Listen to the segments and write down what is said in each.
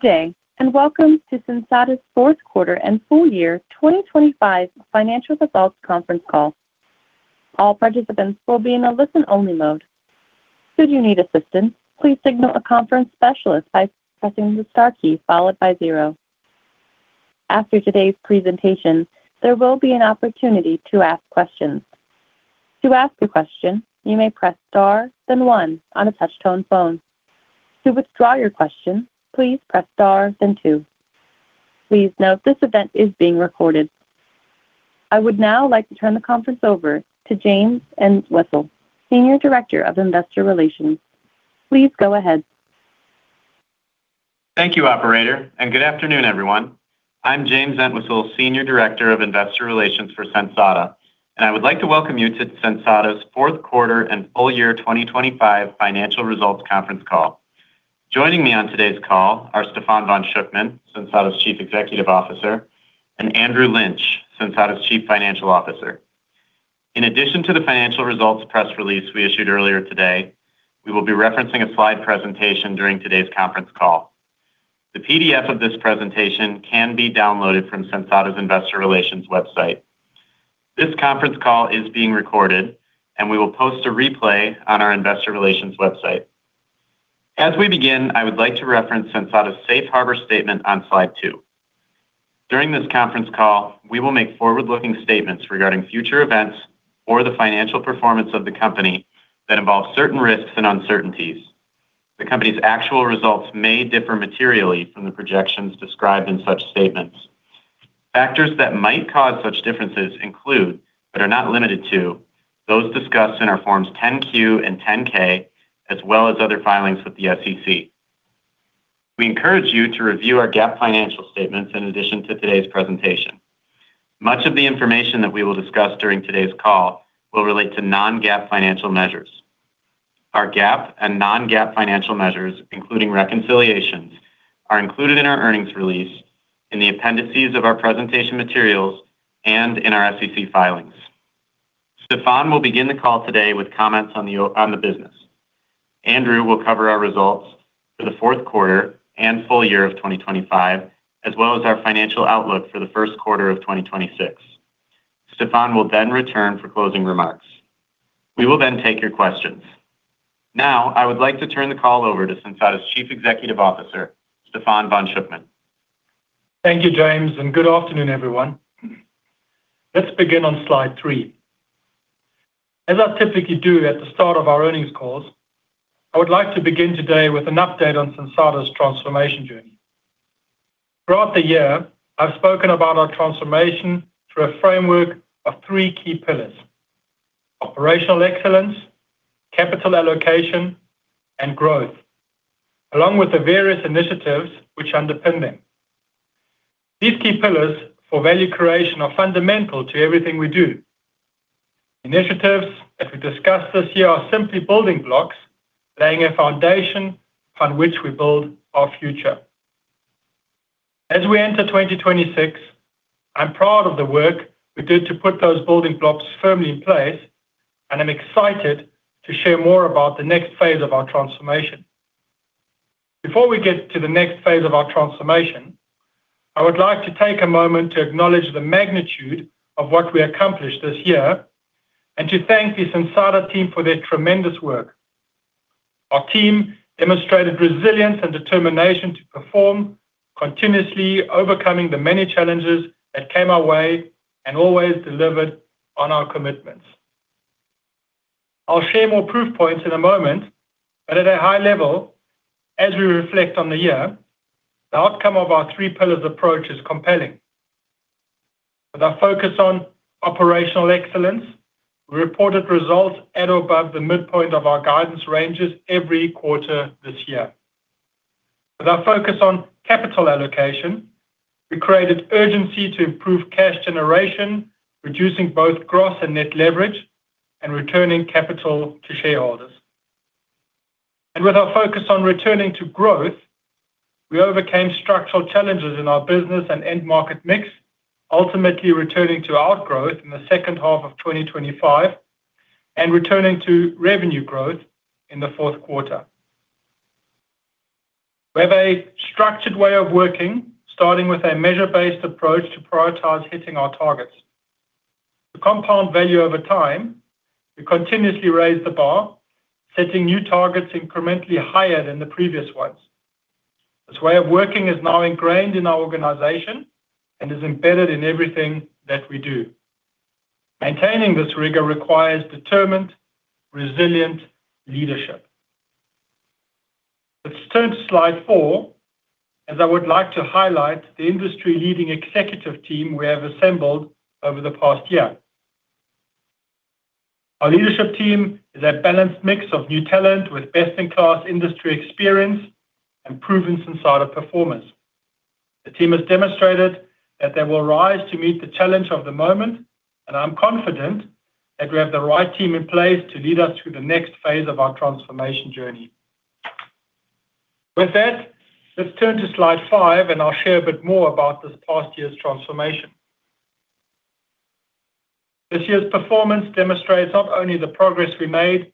Good day, and welcome to Sensata's fourth quarter and full year 2025 financial results conference call. All participants will be in a listen-only mode. Should you need assistance, please signal a conference specialist by pressing the star key followed by zero. After today's presentation, there will be an opportunity to ask questions. To ask a question, you may press Star then one on a touch-tone phone. To withdraw your question, please press Star then two. Please note, this event is being recorded. I would now like to turn the conference over to James Entwistle, Senior Director, Investor Relations. Please go ahead. Thank you, operator, and good afternoon, everyone. I'm James Entwistle, Senior Director of Investor Relations for Sensata, and I would like to welcome you to Sensata's fourth quarter and full year 2025 financial results conference call. Joining me on today's call are Stephan von Schuckmann, Sensata's Chief Executive Officer, and Andrew Lynch, Sensata's Chief Financial Officer. In addition to the financial results press release we issued earlier today, we will be referencing a slide presentation during today's conference call. The PDF of this presentation can be downloaded from Sensata's Investor Relations website. This conference call is being recorded, and we will post a replay on our Investor Relations website. As we begin, I would like to reference Sensata's Safe Harbor statement on slide two. During this conference call, we will make forward-looking statements regarding future events or the financial performance of the company that involve certain risks and uncertainties. The company's actual results may differ materially from the projections described in such statements. Factors that might cause such differences include, but are not limited to, those discussed in our Form 10-Q and 10-K, as well as other filings with the SEC. We encourage you to review our GAAP financial statements in addition to today's presentation. Much of the information that we will discuss during today's call will relate to Non-GAAP financial measures. Our GAAP and Non-GAAP financial measures, including reconciliations, are included in our earnings release, in the appendices of our presentation materials, and in our SEC filings. Stephan will begin the call today with comments on the business. Andrew will cover our results for the fourth quarter and full year of 2025, as well as our financial outlook for the first quarter of 2026. Stephan will then return for closing remarks. We will then take your questions. Now, I would like to turn the call over to Sensata's Chief Executive Officer, Stephan von Schuckmann. Thank you, James, and good afternoon, everyone. Let's begin on slide three. As I typically do at the start of our earnings calls, I would like to begin today with an update on Sensata's transformation journey. Throughout the year, I've spoken about our transformation through a framework of three key pillars: operational excellence, capital allocation, and growth, along with the various initiatives which underpin them. These key pillars for value creation are fundamental to everything we do. Initiatives that we discussed this year are simply building blocks, laying a foundation on which we build our future. As we enter 2026, I'm proud of the work we did to put those building blocks firmly in place, and I'm excited to share more about the next phase of our transformation. Before we get to the next phase of our transformation, I would like to take a moment to acknowledge the magnitude of what we accomplished this year and to thank the Sensata team for their tremendous work. Our Team demonstrated resilience and determination to perform, continuously overcoming the many challenges that came our way and always delivered on our commitments. I'll share more proof points in a moment, but at a high level, as we reflect on the year, the outcome of our three pillars approach is compelling. With our focus on operational excellence, we reported results at or above the midpoint of our guidance ranges every quarter this year. With our focus on capital allocation, we created urgency to improve cash generation, reducing both gross and net leverage and returning capital to shareholders. With our focus on returning to growth, we overcame structural challenges in our business and end market mix, ultimately returning to outgrowth in the second half of 2025 and returning to revenue growth in the fourth quarter. We have a structured way of working, starting with a measure-based approach to prioritize hitting our targets. To compound value over time, we continuously raise the bar, setting new targets incrementally higher than the previous ones. This way of working is now ingrained in our organization and is embedded in everything that we do. Maintaining this rigor requires determined, resilient leadership. Let's turn to slide four, as I would like to highlight the industry-leading executive team we have assembled over the past year. Our leadership team is a balanced mix of new talent with best-in-class industry experience and proven Sensata performance. The team has demonstrated that they will rise to meet the challenge of the moment, and I'm confident that we have the right team in place to lead us through the next phase of our transformation journey. With that, let's turn to slide five, and I'll share a bit more about this past year's transformation. This year's performance demonstrates not only the progress we made,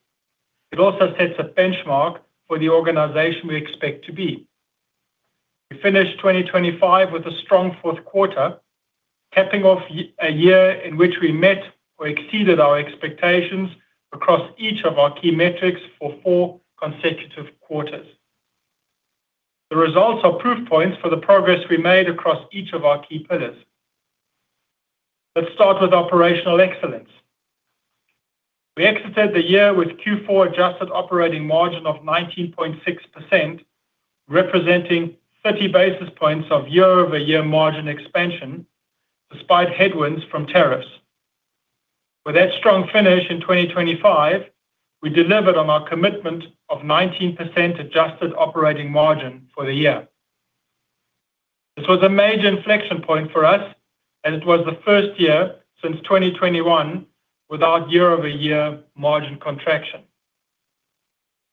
it also sets a benchmark for the organization we expect to be. We finished 2025 with a strong fourth quarter, capping off a year in which we met or exceeded our expectations across each of our key metrics for four consecutive quarters. The results are proof points for the progress we made across each of our key pillars. Let's start with operational excellence. We exited the year with Q4 adjusted operating margin of 19.6%, representing 30 basis points of year-over-year margin expansion, despite headwinds from tariffs. With that strong finish in 2025, we delivered on our commitment of 19% adjusted operating margin for the year. This was a major inflection point for us, and it was the first year since 2021 without year-over-year margin contraction.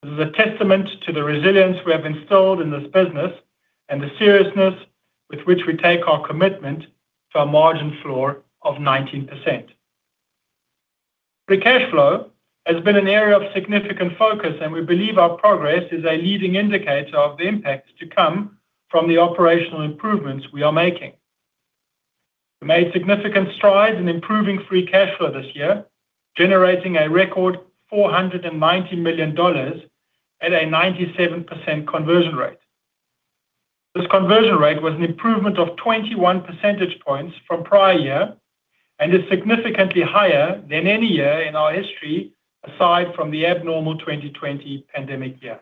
This is a testament to the resilience we have installed in this business and the seriousness with which we take our commitment to a margin floor of 19%. Free cash flow has been an area of significant focus, and we believe our progress is a leading indicator of the impacts to come from the operational improvements we are making. We made significant strides in improving Free Cash Flow this year, generating a record $490 million at a 97% conversion rate. This conversion rate was an improvement of 21 percentage points from prior year and is significantly higher than any year in our history, aside from the abnormal 2020 pandemic year.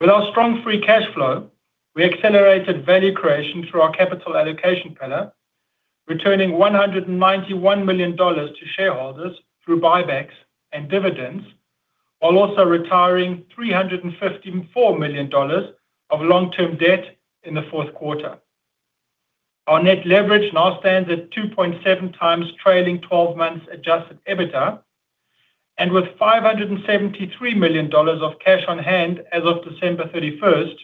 With our strong Free Cash Flow, we accelerated value creation through our Capital allocation pillar, returning $191 million to shareholders through buybacks and dividends, while also retiring $354 million of long-term debt in the fourth quarter. Our Net Leverage now stands at 2.7 times trailing twelve months Adjusted EBITDA, and with $573 million of cash on hand as of December 31st,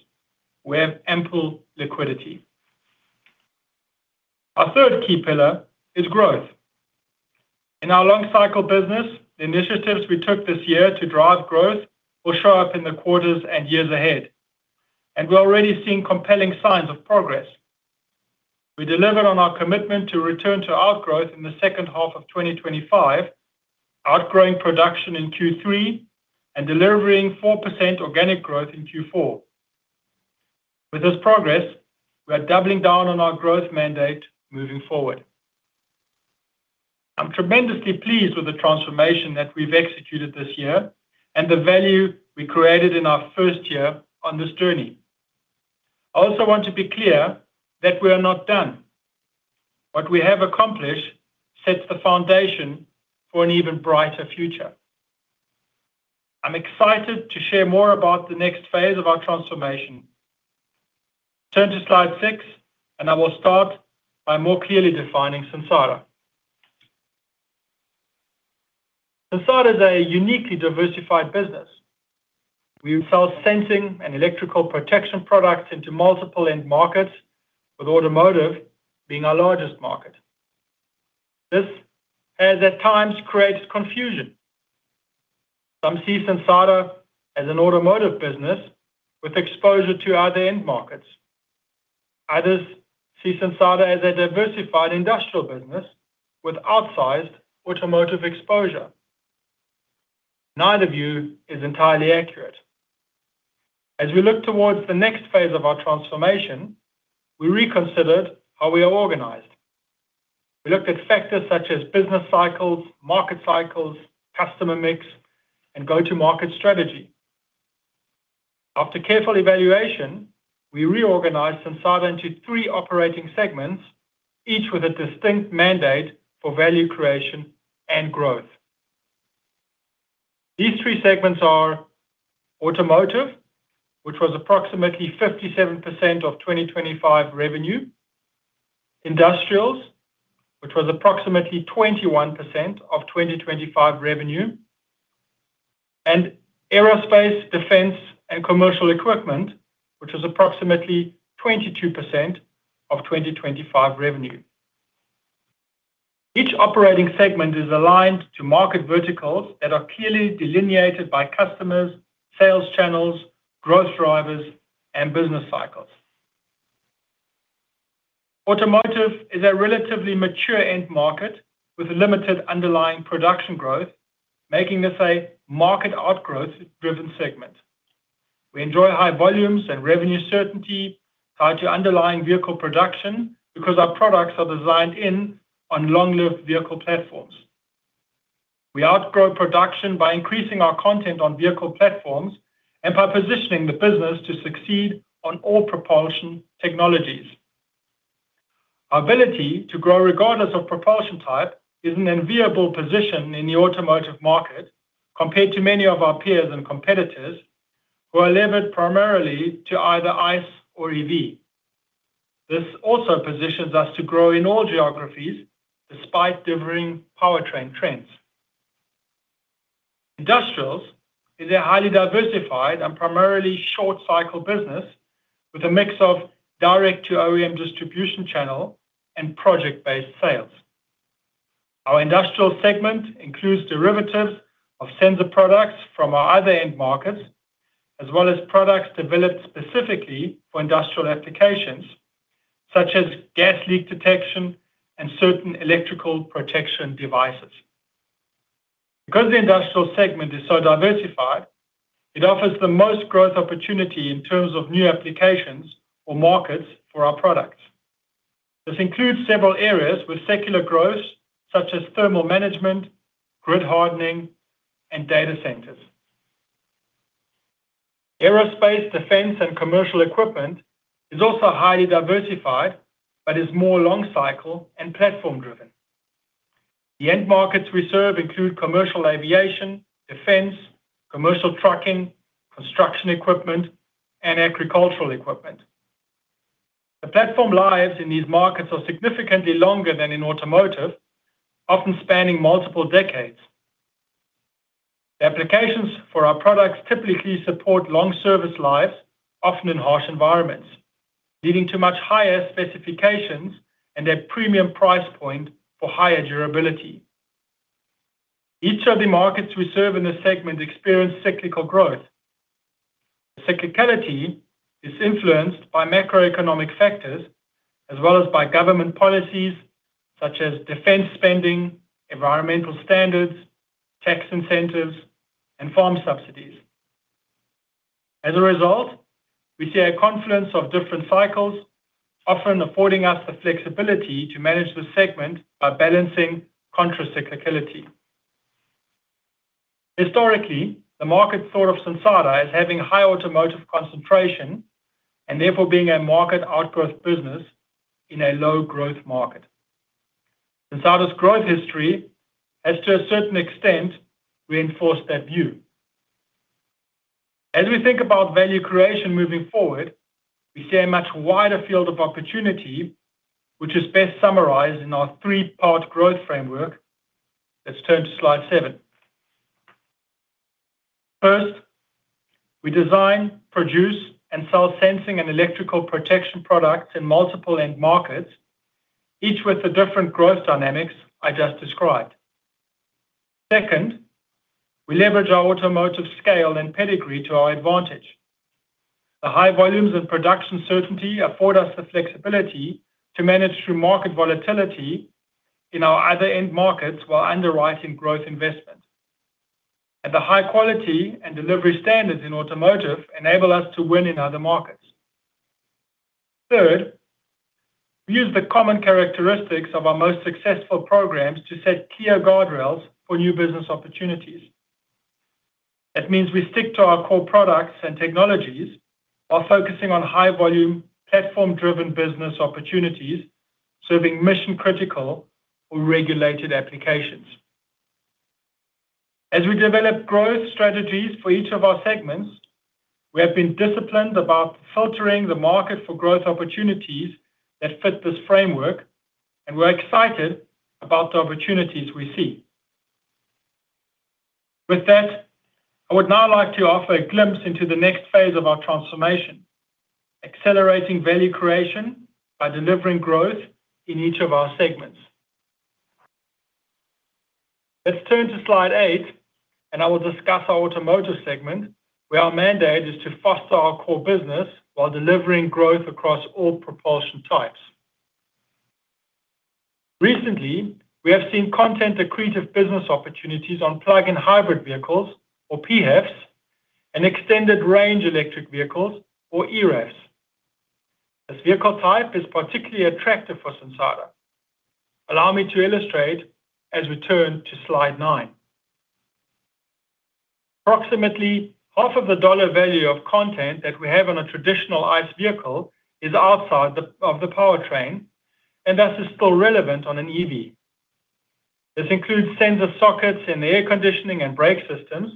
we have ample liquidity. Our third key pillar is growth. In our long cycle business, the initiatives we took this year to drive growth will show up in the quarters and years ahead, and we're already seeing compelling signs of progress. We delivered on our commitment to return to our growth in the second half of 2025, outgrowing production in Q3 and delivering 4% organic growth in Q4. With this progress, we are doubling down on our growth mandate moving forward. I'm tremendously pleased with the transformation that we've executed this year and the value we created in our first year on this journey. I also want to be clear that we are not done. What we have accomplished sets the foundation for an even brighter future. I'm excited to share more about the next phase of our transformation. Turn to slide six, and I will start by more clearly defining Sensata. Sensata is a uniquely diversified business. We sell sensing and electrical protection products into multiple end markets, with automotive being our largest market. This has, at times, created confusion. Some see Sensata as an automotive business with exposure to other end markets. Others see Sensata as a diversified industrial business with outsized automotive exposure. Neither view is entirely accurate. As we look towards the next phase of our transformation, we reconsidered how we are organized. We looked at factors such as business cycles, market cycles, customer mix, and go-to-market strategy. After careful evaluation, we reorganized Sensata into three operating segments, each with a distinct mandate for value creation and growth. These three segments are automotive (which was approximately 57% of 2025 revenue), industrials (which was approximately 21% of 2025 revenue), and Aerospace, Defense, and Commercial Equipment (which was approximately 22% of 2025 revenue). Each operating segment is aligned to market verticals that are clearly delineated by customers, sales channels, growth drivers, and business cycles. Automotive is a relatively mature end market with limited underlying production growth, making this a market outgrowth-driven segment. We enjoy high volumes and revenue certainty tied to underlying vehicle production because our products are designed in on long-lived vehicle platforms. We outgrow production by increasing our content on vehicle platforms and by positioning the business to succeed on all Propulsion technologies. Our ability to grow regardless of propulsion type is an enviable position in the automotive market compared to many of our peers and competitors, who are levered primarily to either ICE or EV. This also positions us to grow in all geographies despite differing powertrain trends. Industrials is a highly diversified and primarily short cycle business with a mix of direct to OEM distribution channel and project-based sales. Our industrial segment includes derivatives of sensor products from our other end markets, as well as products developed specifically for industrial applications, such as gas leak detection and certain electrical protection devices. Because the industrial segment is so diversified, it offers the most growth opportunity in terms of new applications or markets for our products. This includes several areas with secular growth, such as Thermal Management, Grid Hardening, and Data Centers. Aerospace, Defense, and Commercial Equipment is also highly diversified, but is more long cycle and platform-driven. The end markets we serve include Commercial Aviation, Defense, Commercial Trucking, Construction equipment, and Agricultural equipment. The platform lives in these markets are significantly longer than in automotive, often spanning multiple decades. The applications for our products typically support long service lives, often in harsh environments, leading to much higher specifications and a premium price point for higher durability. Each of the markets we serve in this segment experience cyclical growth. Cyclicality is influenced by Macroeconomic factors, as well as by government policies such as defense spending, environmental standards, tax incentives, and farm subsidies. As a result, we see a confluence of different cycles, often affording us the flexibility to manage the segment by balancing contra cyclicality. Historically, the market thought of Sensata as having high Automotive concentration, and therefore being a market outgrowth business in a low growth market. Sensata's growth history has, to a certain extent, reinforced that view. As we think about value creation moving forward, we see a much wider field of opportunity, which is best summarized in our three-part growth framework. Let's turn to slide seven. First, we design, produce, and sell sensing and electrical protection products in multiple end markets, each with the different growth dynamics I just described. Second, we leverage our automotive scale and pedigree to our advantage. The high volumes and production certainty afford us the flexibility to manage through market volatility in our other end markets while underwriting growth investment. The high quality and delivery standards in automotive enable us to win in other markets. Third, we use the common characteristics of our most successful programs to set clear guardrails for new business opportunities. That means we stick to our core products and technologies while focusing on high volume, platform-driven business opportunities, serving mission-critical or regulated applications. As we develop growth strategies for each of our segments, we have been disciplined about filtering the market for growth opportunities that fit this framework, and we're excited about the opportunities we see. With that, I would now like to offer a glimpse into the next phase of our transformation, accelerating value creation by delivering growth in each of our segments. Let's turn to slide eight, and I will discuss our automotive segment, where our mandate is to foster our core business while delivering growth across all propulsion types. Recently, we have seen content accretive business opportunities on plug-in hybrid vehicles or PHEVs, and extended range electric vehicles or EREVs. This vehicle type is particularly attractive for Sensata. Allow me to illustrate as we turn to slide nine. Approximately half of the dollar value of content that we have on a traditional ICE vehicle is outside of the powertrain, and thus is still relevant on an EV. This includes sensor sockets in the air conditioning and brake systems,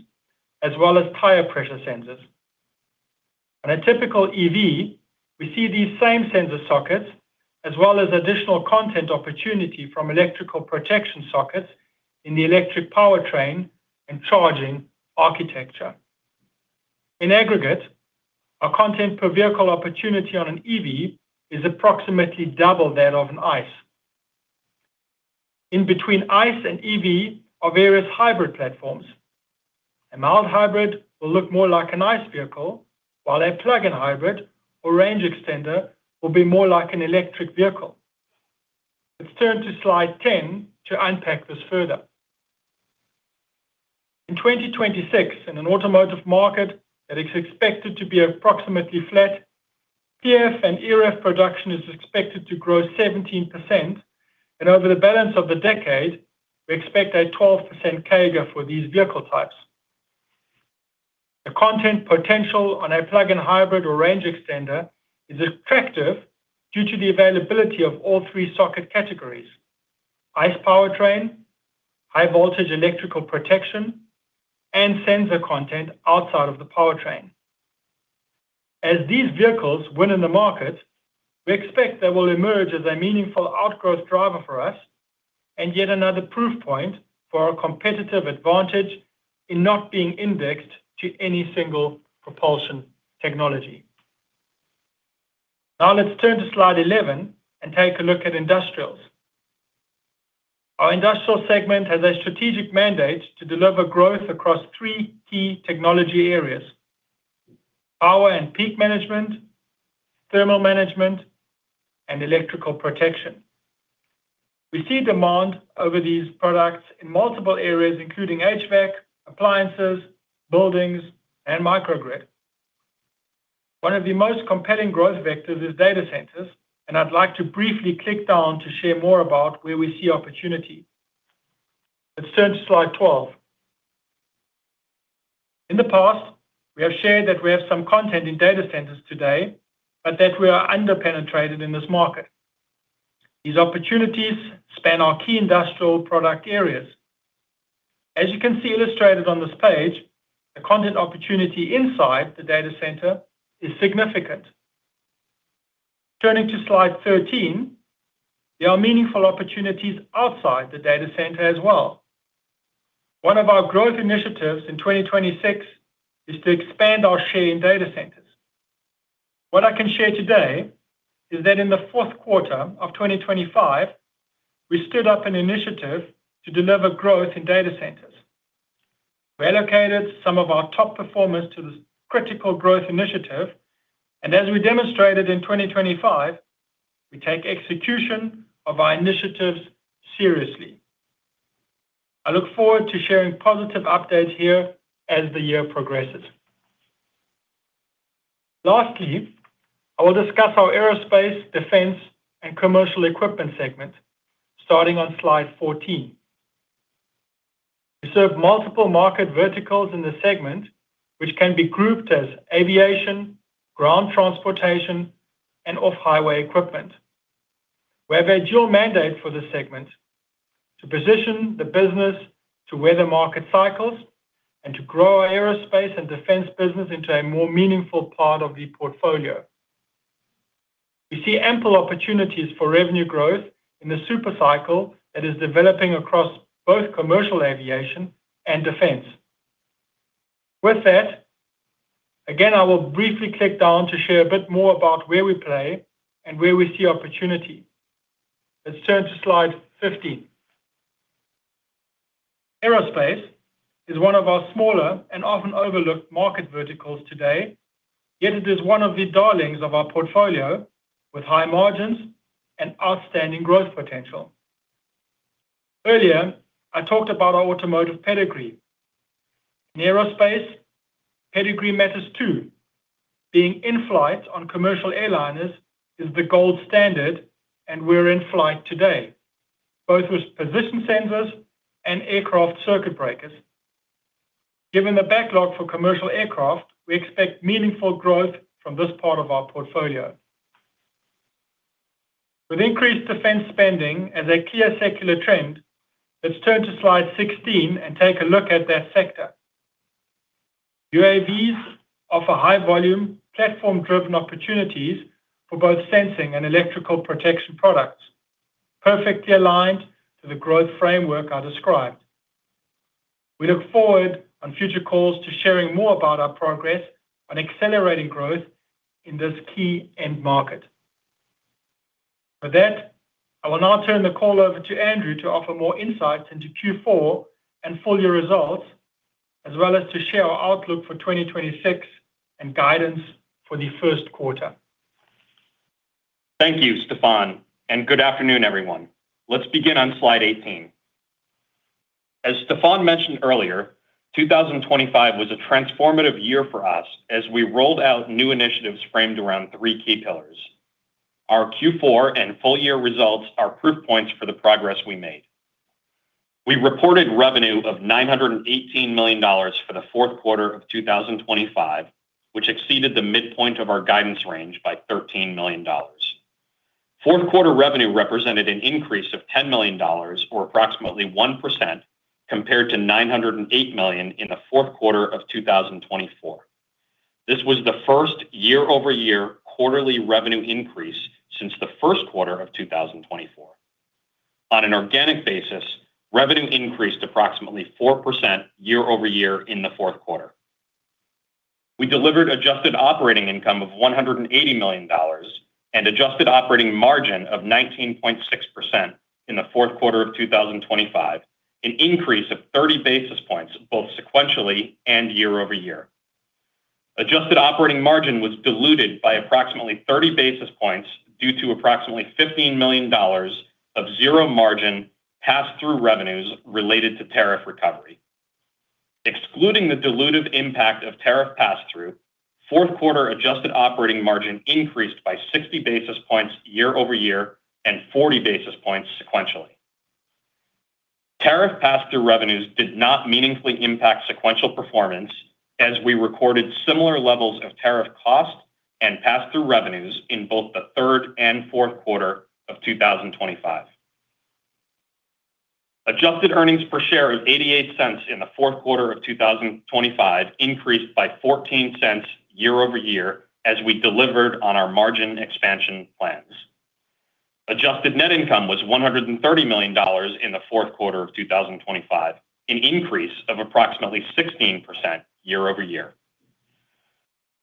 as well as tire pressure sensors. On a typical EV, we see these same sensor sockets, as well as additional content opportunity from electrical protection sockets in the electric powertrain and charging architecture. In aggregate, our content per vehicle opportunity on an EV is approximately double that of an ICE. In between ICE and EV are various hybrid platforms. A mild hybrid will look more like an ICE vehicle, while a plug-in hybrid or range extender will be more like an electric vehicle. Let's turn to slide 10 to unpack this further. In 2026, in an automotive market that is expected to be approximately flat, PHEV and EREV production is expected to grow 17%, and over the balance of the decade, we expect a 12% CAGR for these vehicle types. The content potential on a plug-in hybrid or range extender is attractive due to the availability of all three socket categories: ICE powertrain, high voltage electrical protection, and sensor content outside of the powertrain. As these vehicles win in the market, we expect they will emerge as a meaningful outgrowth driver for us, and yet another proof point for our competitive advantage in not being indexed to any single propulsion technology. Now let's turn to slide 11 and take a look at industrials. Our industrial segment has a strategic mandate to deliver growth across three key technology areas: power and peak management, thermal management, and electrical protection. We see demand over these products in multiple areas, including HVAC, appliances, buildings, and microgrid. One of the most compelling growth vectors is data centers, and I'd like to briefly click down to share more about where we see opportunity. Let's turn to slide 12. In the past, we have shared that we have some content in data centers today, but that we are under-penetrated in this market. These opportunities span our key industrial product areas. As you can see illustrated on this page, the content opportunity inside the data center is significant. Turning to slide 13, there are meaningful opportunities outside the data center as well. One of our growth initiatives in 2026 is to expand our share in data centers. What I can share today is that in the fourth quarter of 2025, we stood up an initiative to deliver growth in data centers. We allocated some of our top performers to this critical growth initiative, and as we demonstrated in 2025, we take execution of our initiatives seriously. I look forward to sharing positive updates here as the year progresses. Lastly, I will discuss our aerospace, defense, and commercial equipment segment, starting on slide 14. We serve multiple market verticals in the segment, which can be grouped as aviation, ground transportation, and off-highway equipment. We have a dual mandate for this segment: to position the business to weather market cycles and to grow our aerospace and defense business into a more meaningful part of the portfolio. We see ample opportunities for revenue growth in the super cycle that is developing across both commercial aviation and defense. With that, again, I will briefly click down to share a bit more about where we play and where we see opportunity. Let's turn to slide 15. Aerospace is one of our smaller and often overlooked market verticals today, yet it is one of the darlings of our portfolio, with high margins and outstanding growth potential. Earlier, I talked about our automotive pedigree. In aerospace, pedigree matters too. Being in flight on commercial airliners is the gold standard, and we're in flight today, both with position sensors and aircraft circuit breakers. Given the backlog for commercial aircraft, we expect meaningful growth from this part of our portfolio. With increased defense spending as a clear secular trend, let's turn to slide 16 and take a look at that sector. UAVs offer high volume, platform-driven opportunities for both sensing and electrical protection products, perfectly aligned to the growth framework I described. We look forward on future calls to sharing more about our progress on accelerating growth in this key end market. With that, I will now turn the call over to Andrew to offer more insights into Q4 and full year results, as well as to share our outlook for 2026 and guidance for the first quarter. Thank you, Stephan, and good afternoon, everyone. Let's begin on slide 18. As Stephan mentioned earlier, 2025 was a transformative year for us as we rolled out new initiatives framed around three key pillars. Our Q4 and full year results are proof points for the progress we made. We reported revenue of $918 million for the fourth quarter of 2025, which exceeded the midpoint of our guidance range by $13 million. Fourth quarter revenue represented an increase of $10 million or approximately 1%, compared to $908 million in the fourth quarter of 2024. This was the first year-over-year quarterly revenue increase since the first quarter of 2024. On an organic basis, revenue increased approximately 4% year over year in the fourth quarter. We delivered Adjusted Operating Income of $180 million and Adjusted Operating Margin of 19.6% in the fourth quarter of 2025, an increase of 30 basis points, both sequentially and year-over-year. Adjusted Operating Margin was diluted by approximately 30 basis points, due to approximately $15 million of zero margin pass-through revenues related to tariff recovery. Excluding the dilutive impact of tariff pass-through, fourth quarter Adjusted Operating Margin increased by 60 basis points year-over-year and 40 basis points sequentially. Tariff pass-through revenues did not meaningfully impact sequential performance, as we recorded similar levels of tariff cost and pass-through revenues in both the third and fourth quarter of 2025. Adjusted earnings per share of $0.88 in the fourth quarter of 2025 increased by $0.14 year-over-year as we delivered on our margin expansion plans. Adjusted net income was $130 million in the fourth quarter of 2025, an increase of approximately 16% year-over-year.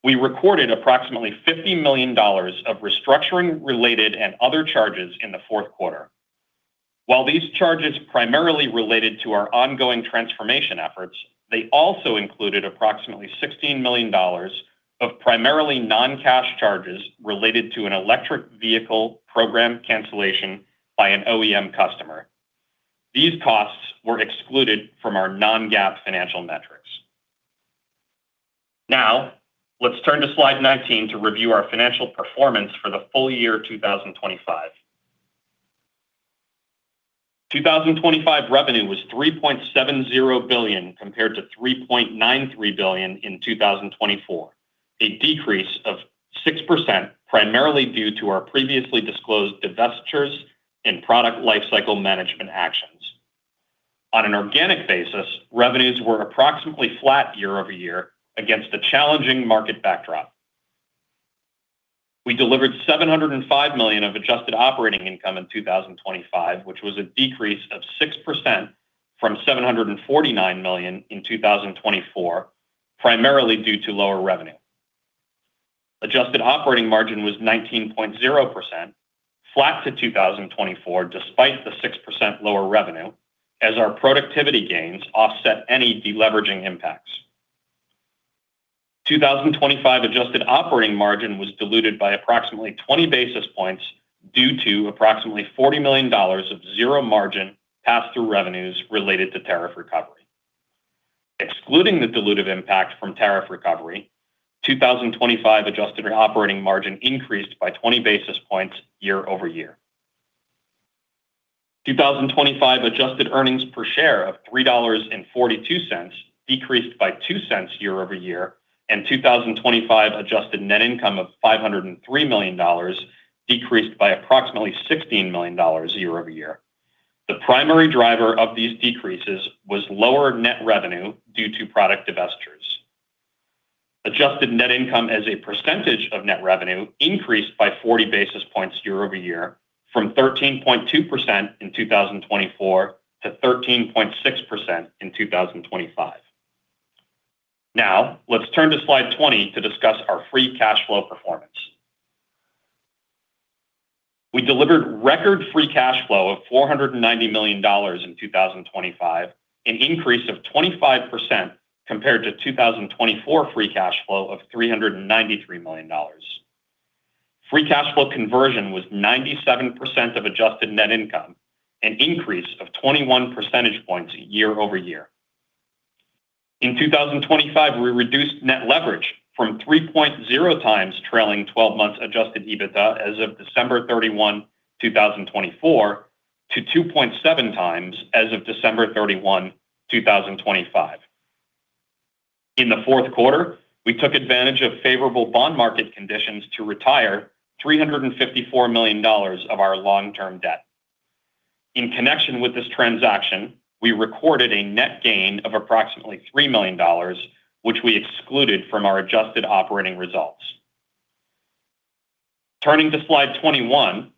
We recorded approximately $50 million of restructuring related and other charges in the fourth quarter. While these charges primarily related to our ongoing transformation efforts, they also included approximately $16 million of primarily non-cash charges related to an electric vehicle program cancellation by an OEM customer. These costs were excluded from our Non-GAAP financial metrics. Now, let's turn to slide 19 to review our financial performance for the full year 2025. 2025 revenue was $3.70 billion compared to $3.93 billion in 2024, a decrease of 6% primarily due to our previously disclosed divestitures and product lifecycle management actions. On an organic basis, revenues were approximately flat year-over-year against a challenging market backdrop. We delivered $705 million of adjusted operating income in 2025, which was a decrease of 6% from $749 million in 2024, primarily due to lower revenue. Adjusted operating margin was 19.0%, flat to 2024, despite the 6% lower revenue, as our productivity gains offset any deleveraging impacts. 2025 adjusted operating margin was diluted by approximately 20 basis points due to approximately $40 million of zero margin pass-through revenues related to tariff recovery. Excluding the dilutive impact from tariff recovery, 2025 adjusted operating margin increased by 20 basis points year-over-year. 2025 adjusted earnings per share of $3.42 decreased by $0.02 year-over-year, and 2025 adjusted net income of $503 million decreased by approximately $16 million year-over-year. The primary driver of these decreases was lower net revenue due to product divestitures. Adjusted net income as a percentage of net revenue increased by 40 basis points year-over-year from 13.2% in 2024 to 13.6% in 2025. Now, let's turn to slide 20 to discuss our free cash flow performance. We delivered record free cash flow of $490 million in 2025, an increase of 25% compared to 2024 free cash flow of $393 million. Free cash flow conversion was 97% of adjusted net income, an increase of 21 percentage points year-over-year. In 2025, we reduced net leverage from 3.0x trailing 12 months Adjusted EBITDA as of December 31, 2024 to 2.7x as of December 31, 2025. In the fourth quarter, we took advantage of favorable bond market conditions to retire $354 million of our long-term debt. In connection with this transaction, we recorded a net gain of approximately $3 million, which we excluded from our adjusted operating results. Turning to slide 21,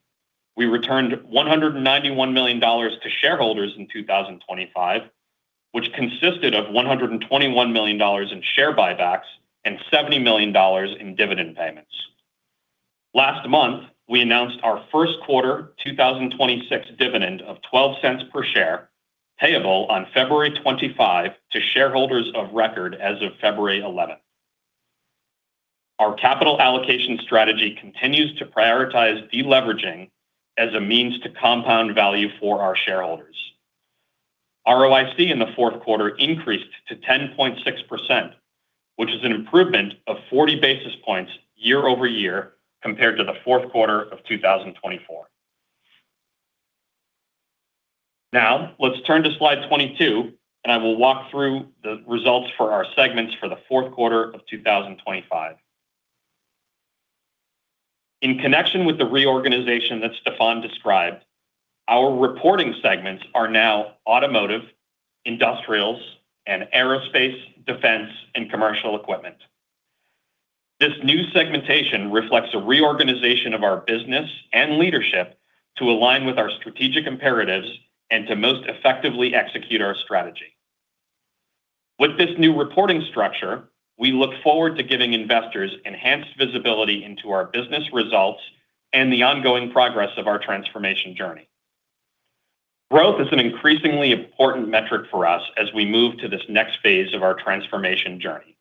we returned $191 million to shareholders in 2025, which consisted of $121 million in share buybacks and $70 million in dividend payments. Last month, we announced our first quarter 2026 dividend of $0.12 per share, payable on February 25 to shareholders of record as of February 11. Our capital allocation strategy continues to prioritize deleveraging as a means to compound value for our shareholders. ROIC in the fourth quarter increased to 10.6%, which is an improvement of 40 basis points year-over-year compared to the fourth quarter of 2024. Now, let's turn to slide 22, and I will walk through the results for our segments for the fourth quarter of 2025. In connection with the reorganization that Stephan described, our reporting segments are now automotive, industrials, and aerospace, defense, and commercial equipment. This new segmentation reflects a reorganization of our business and leadership to align with our strategic imperatives and to most effectively execute our strategy. With this new reporting structure, we look forward to giving investors enhanced visibility into our business results and the ongoing progress of our transformation journey. Growth is an increasingly important metric for us as we move to this next phase of our transformation journey.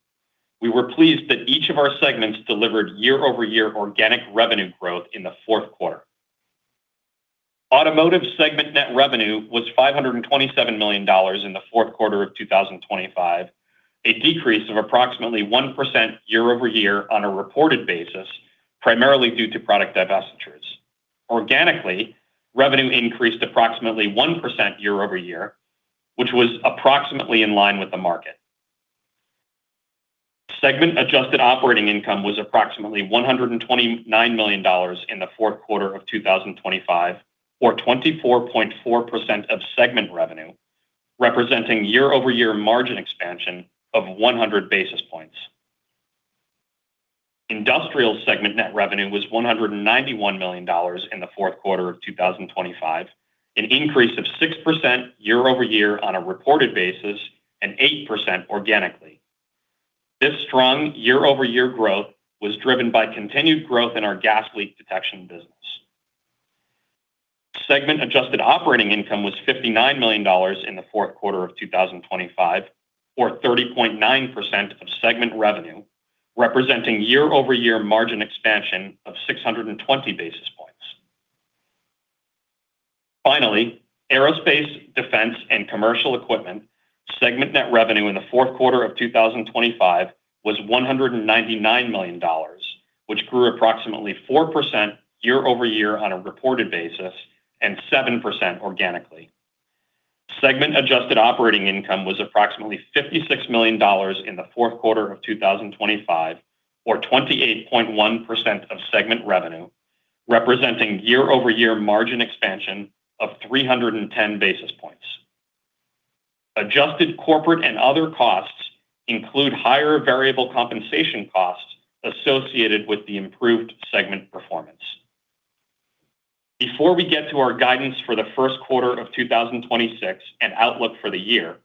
We were pleased that each of our segments delivered year-over-year organic revenue growth in the fourth quarter. Automotive segment net revenue was $527 million in the fourth quarter of 2025, a decrease of approximately 1% year-over-year on a reported basis, primarily due to product divestitures. Organically, revenue increased approximately 1% year-over-year, which was approximately in line with the market. Segment adjusted operating income was approximately $129 million in the fourth quarter of 2025, or 24.4% of segment revenue, representing year-over-year margin expansion of 100 basis points. Industrial segment net revenue was $191 million in the fourth quarter of 2025, an increase of 6% year-over-year on a reported basis and 8% organically. This strong year-over-year growth was driven by continued growth in our gas leak detection business. Segment adjusted operating income was $59 million in the fourth quarter of 2025 or 30.9% of segment revenue, representing year-over-year margin expansion of 620 basis points. Finally, Aerospace, Defense, and Commercial Equipment segment net revenue in the fourth quarter of 2025 was $199 million, which grew approximately 4% year over year on a reported basis and 7% organically. Segment adjusted operating income was approximately $56 million in the fourth quarter of 2025 or 28.1% of segment revenue, representing year-over-year margin expansion of 310 basis points. Adjusted corporate and other costs include higher variable compensation costs associated with the improved segment performance. Before we get to our guidance for the first quarter of 2026 and outlook for the year,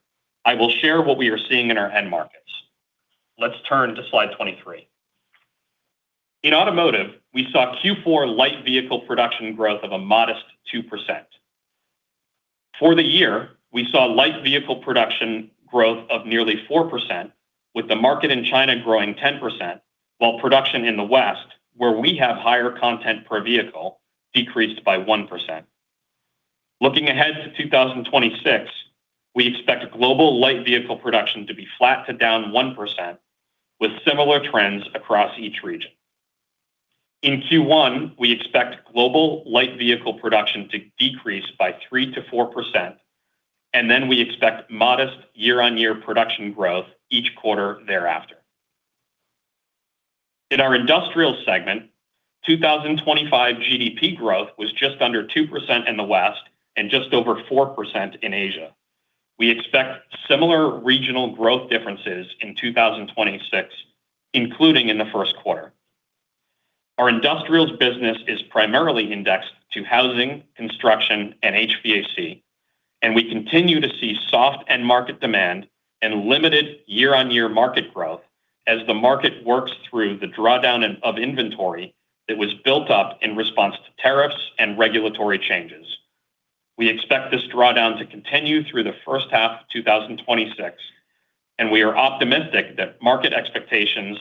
I will share what we are seeing in our end markets. Let's turn to slide 23. In automotive, we saw Q4 light vehicle production growth of a modest 2%. For the year, we saw light vehicle production growth of nearly 4%, with the market in China growing 10%, while production in the West, where we have higher content per vehicle, decreased by 1%. Looking ahead to 2026, we expect global light vehicle production to be flat to down 1%, with similar trends across each region. In Q1, we expect global light vehicle production to decrease by 3%-4%, and then we expect modest year-on-year production growth each quarter thereafter. In our industrial segment, 2025 GDP growth was just under 2% in the West and just over 4% in Asia. We expect similar regional growth differences in 2026, including in the first quarter. Our industrials business is primarily indexed to housing, construction, and HVAC, and we continue to see soft end market demand and limited year-over-year market growth as the market works through the drawdown of inventory that was built up in response to tariffs and regulatory changes. We expect this drawdown to continue through the first half of 2026, and we are optimistic that market expectations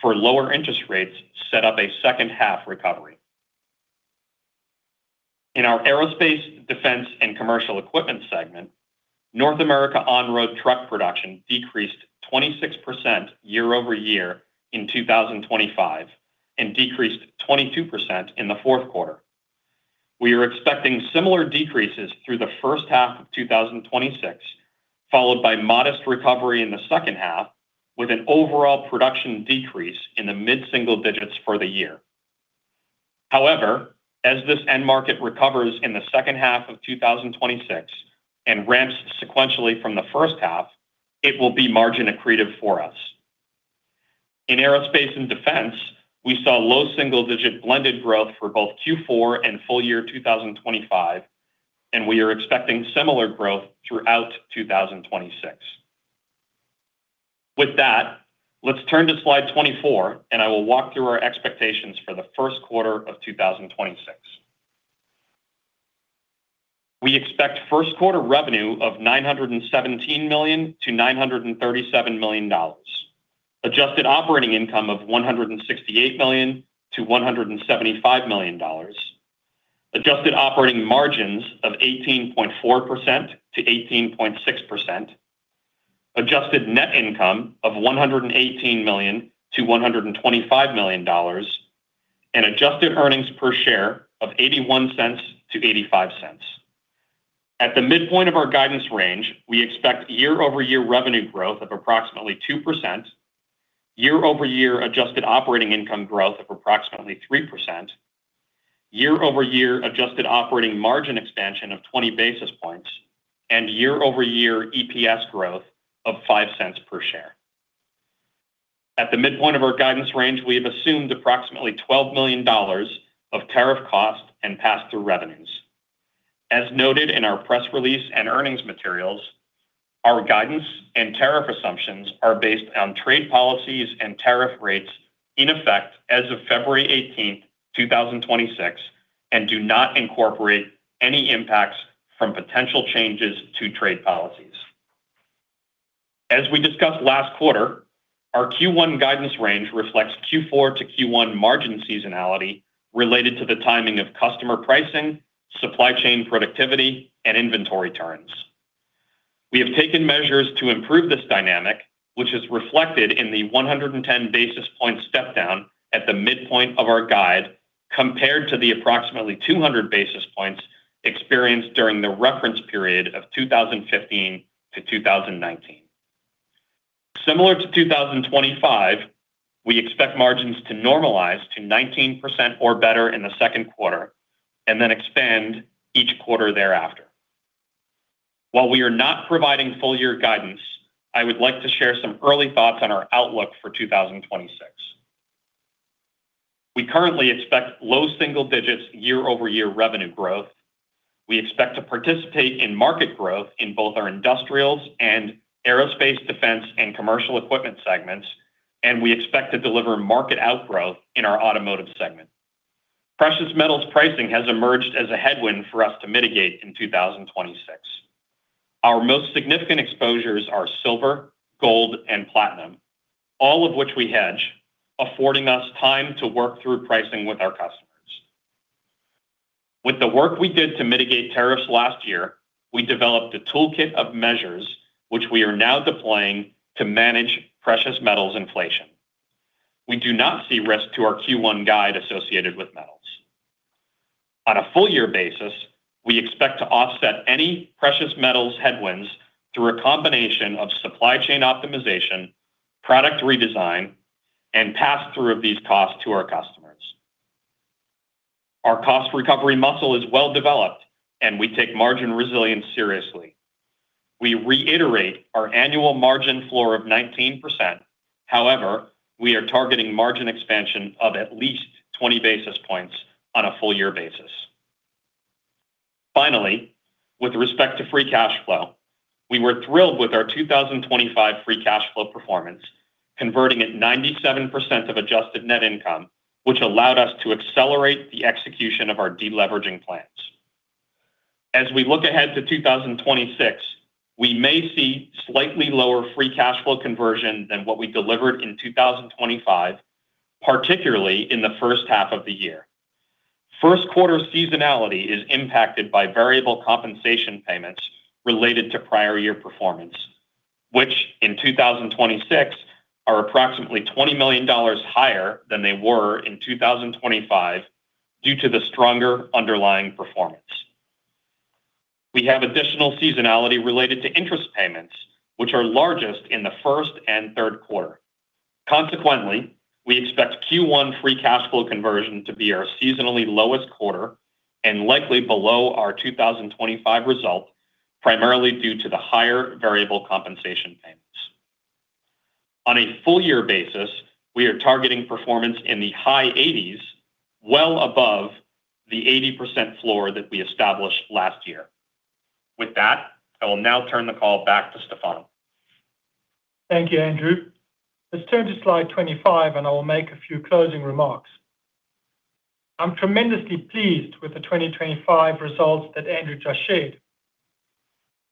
for lower interest rates set up a second half recovery. In our aerospace, defense, and commercial equipment segment, North America on-road truck production decreased 26% year-over-year in 2025 and decreased 22% in the fourth quarter. We are expecting similar decreases through the first half of 2026, followed by modest recovery in the second half, with an overall production decrease in the mid-single digits for the year. However, as this end market recovers in the second half of 2026 and ramps sequentially from the first half, it will be margin accretive for us. In aerospace and defense, we saw low single-digit blended growth for both Q4 and full year 2025, and we are expecting similar growth throughout 2026. With that, let's turn to slide 24, and I will walk through our expectations for the first quarter of 2026. We expect first quarter revenue of $917 million-$937 million. Adjusted operating income of $168 million-$175 million. Adjusted operating margins of 18.4%-18.6%. Adjusted net income of $118 million-$125 million, and adjusted earnings per share of $0.81-$0.85. At the midpoint of our guidance range, we expect year-over-year revenue growth of approximately 2%, year-over-year adjusted operating income growth of approximately 3%, year-over-year adjusted operating margin expansion of 20 basis points, and year-over-year EPS growth of $0.05 per share. At the midpoint of our guidance range, we have assumed approximately $12 million of tariff costs and pass-through revenues. As noted in our press release and earnings materials, our guidance and tariff assumptions are based on trade policies and tariff rates in effect as of February 18, 2026, and do not incorporate any impacts from potential changes to trade policies. As we discussed last quarter, our Q1 guidance range reflects Q4 to Q1 margin seasonality related to the timing of customer pricing, supply chain productivity, and inventory turns. We have taken measures to improve this dynamic, which is reflected in the 110 basis points step down at the midpoint of our guide, compared to the approximately 200 basis points experienced during the reference period of 2015 to 2019. Similar to 2025, we expect margins to normalize to 19% or better in the second quarter, and then expand each quarter thereafter. While we are not providing full year guidance, I would like to share some early thoughts on our outlook for 2026. We currently expect low single digits year-over-year revenue growth. We expect to participate in market growth in both our industrials and aerospace, defense, and commercial equipment segments, and we expect to deliver market outgrowth in our automotive segment. Precious metals pricing has emerged as a headwind for us to mitigate in 2026. Our most significant exposures are silver, gold, and platinum, all of which we hedge, affording us time to work through pricing with our customers. With the work we did to mitigate tariffs last year, we developed a toolkit of measures which we are now deploying to manage precious metals inflation. We do not see risk to our Q1 guide associated with metals. On a full year basis, we expect to offset any precious metals headwinds through a combination of supply chain optimization, product redesign, and pass-through of these costs to our customers. Our cost recovery muscle is well developed, and we take margin resilience seriously. We reiterate our annual margin floor of 19%. However, we are targeting margin expansion of at least 20 basis points on a full year basis. Finally, with respect to free cash flow, we were thrilled with our 2025 free cash flow performance, converting at 97% of adjusted net income, which allowed us to accelerate the execution of our deleveraging plans. As we look ahead to 2026, we may see slightly lower free cash flow conversion than what we delivered in 2025, particularly in the first half of the year. First quarter seasonality is impacted by variable compensation payments related to prior year performance, which in 2026 are approximately $20 million higher than they were in 2025 due to the stronger underlying performance. We have additional seasonality related to interest payments, which are largest in the first and third quarter. Consequently, we expect Q1 free cash flow conversion to be our seasonally lowest quarter and likely below our 2025 result, primarily due to the higher variable compensation payments. On a full year basis, we are targeting performance in the high 80s, well above the 80% floor that we established last year. With that, I will now turn the call back to Stephan. Thank you, Andrew. Let's turn to slide 25, and I will make a few closing remarks. I'm tremendously pleased with the 2025 results that Andrew just shared.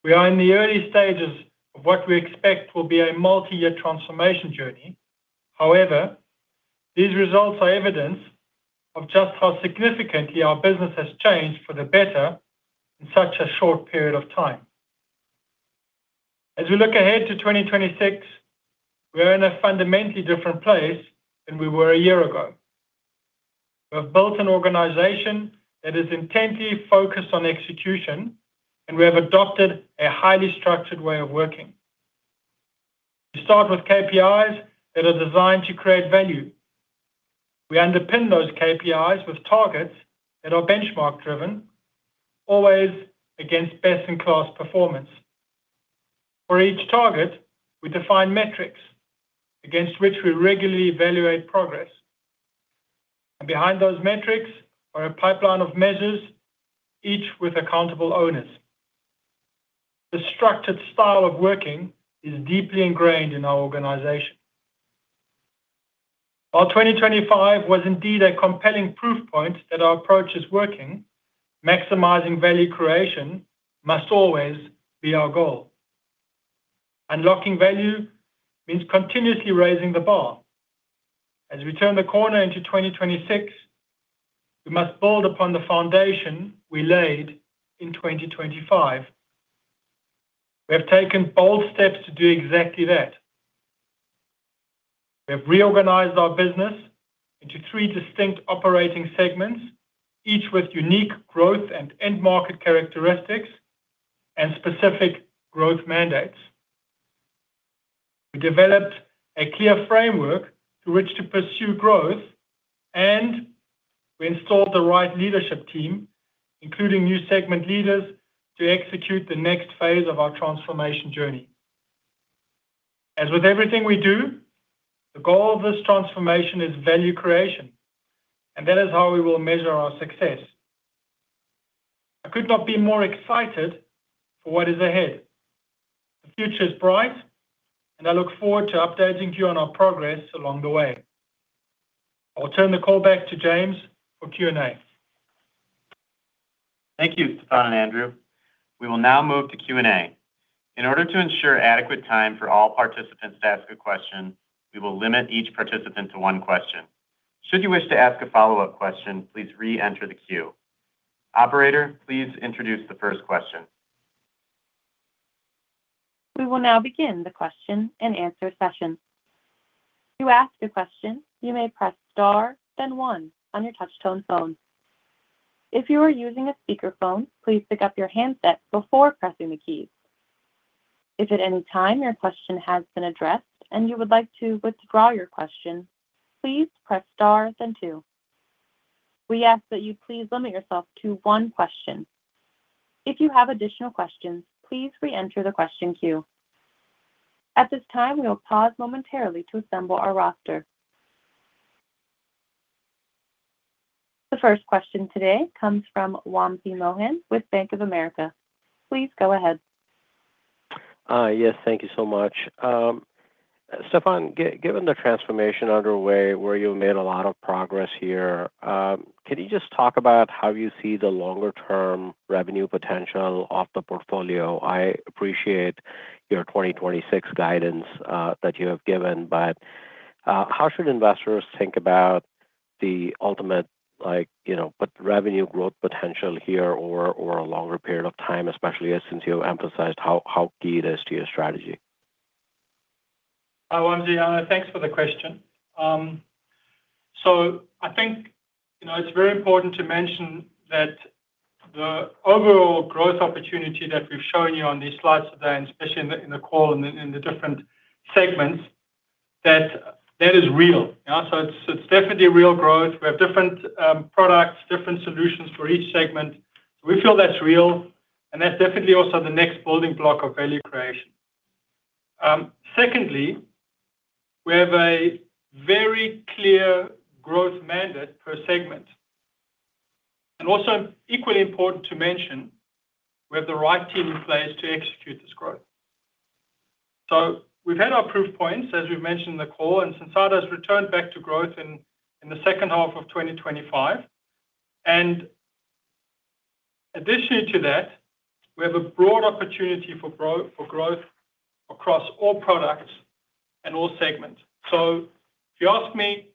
We are in the early stages of what we expect will be a multi-year transformation journey. However, these results are evidence of just how significantly our business has changed for the better in such a short period of time. As we look ahead to 2026, we are in a fundamentally different place than we were a year ago. We have built an organization that is intently focused on execution, and we have adopted a highly structured way of working. We start with KPIs that are designed to create value. We underpin those KPIs with targets that are benchmark driven, always against best-in-class performance. For each target, we define metrics against which we regularly evaluate progress, and behind those metrics are a pipeline of measures, each with accountable owners. The structured style of working is deeply ingrained in our organization. While 2025 was indeed a compelling proof point that our approach is working, maximizing value creation must always be our goal. Unlocking value means continuously raising the bar. As we turn the corner into 2026, we must build upon the foundation we laid in 2025. We have taken bold steps to do exactly that. We have reorganized our business into three distinct operating segments, each with unique growth and end market characteristics and specific growth mandates. We developed a clear framework through which to pursue growth, and we installed the right leadership team, including new segment leaders, to execute the next phase of our transformation journey. As with everything we do, the goal of this transformation is value creation, and that is how we will measure our success. I could not be more excited for what is ahead. The future is bright, and I look forward to updating you on our progress along the way. I will turn the call back to James for Q&A. Thank you, Stephan and Andrew. We will now move to Q&A. In order to ensure adequate time for all participants to ask a question, we will limit each participant to one question. Should you wish to ask a follow-up question, please re-enter the queue. Operator, please introduce the first question. We will now begin the question and answer session. To ask a question, you may press Star, then One on your touchtone phone. If you are using a speakerphone, please pick up your handset before pressing the keys. If at any time your question has been addressed and you would like to withdraw your question, please press Star, then Two. We ask that you please limit yourself to one question. If you have additional questions, please reenter the question queue. At this time, we will pause momentarily to assemble our roster. The first question today comes from Wamsi Mohan with Bank of America. Please go ahead. Yes, thank you so much. Stephan, given the transformation underway, where you've made a lot of progress here, can you just talk about how you see the longer term revenue potential of the portfolio? I appreciate your 2026 guidance that you have given, but how should investors think about the ultimate, like, you know, but revenue growth potential here or a longer period of time, especially as since you emphasized how, how key it is to your strategy? Hi, Wamsi. Thanks for the question. So I think, you know, it's very important to mention that the overall growth opportunity that we've shown you on these slides today, and especially in the, in the call, in the, in the different segments, that that is real. You know, so it's, it's definitely real growth. We have different, products, different solutions for each segment. We feel that's real, and that's definitely also the next building block of value creation. Secondly, we have a very clear growth mandate per segment. And also equally important to mention, we have the right team in place to execute this growth. So we've had our proof points, as we've mentioned in the call, and Sensata has returned back to growth in, in the second half of 2025. Additionally to that, we have a broad opportunity for growth across all products and all segments. So if you ask me,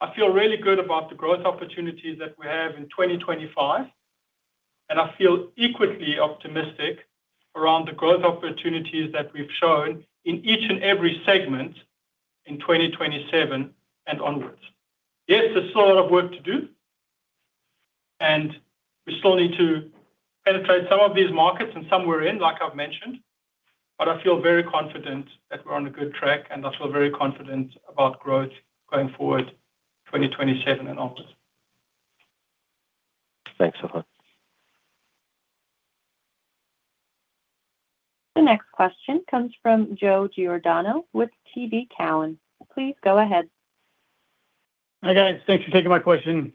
I feel really good about the growth opportunities that we have in 2025, and I feel equally optimistic around the growth opportunities that we've shown in each and every segment in 2027 and onwards. Yes, there's still a lot of work to do, and we still need to penetrate some of these markets and some we're in, like I've mentioned, but I feel very confident that we're on a good track, and I feel very confident about growth going forward, 2027 and onwards. Thanks, Stephan. The next question comes from Joe Giordano with TD Cowen. Please go ahead. Hi, guys. Thanks for taking my question.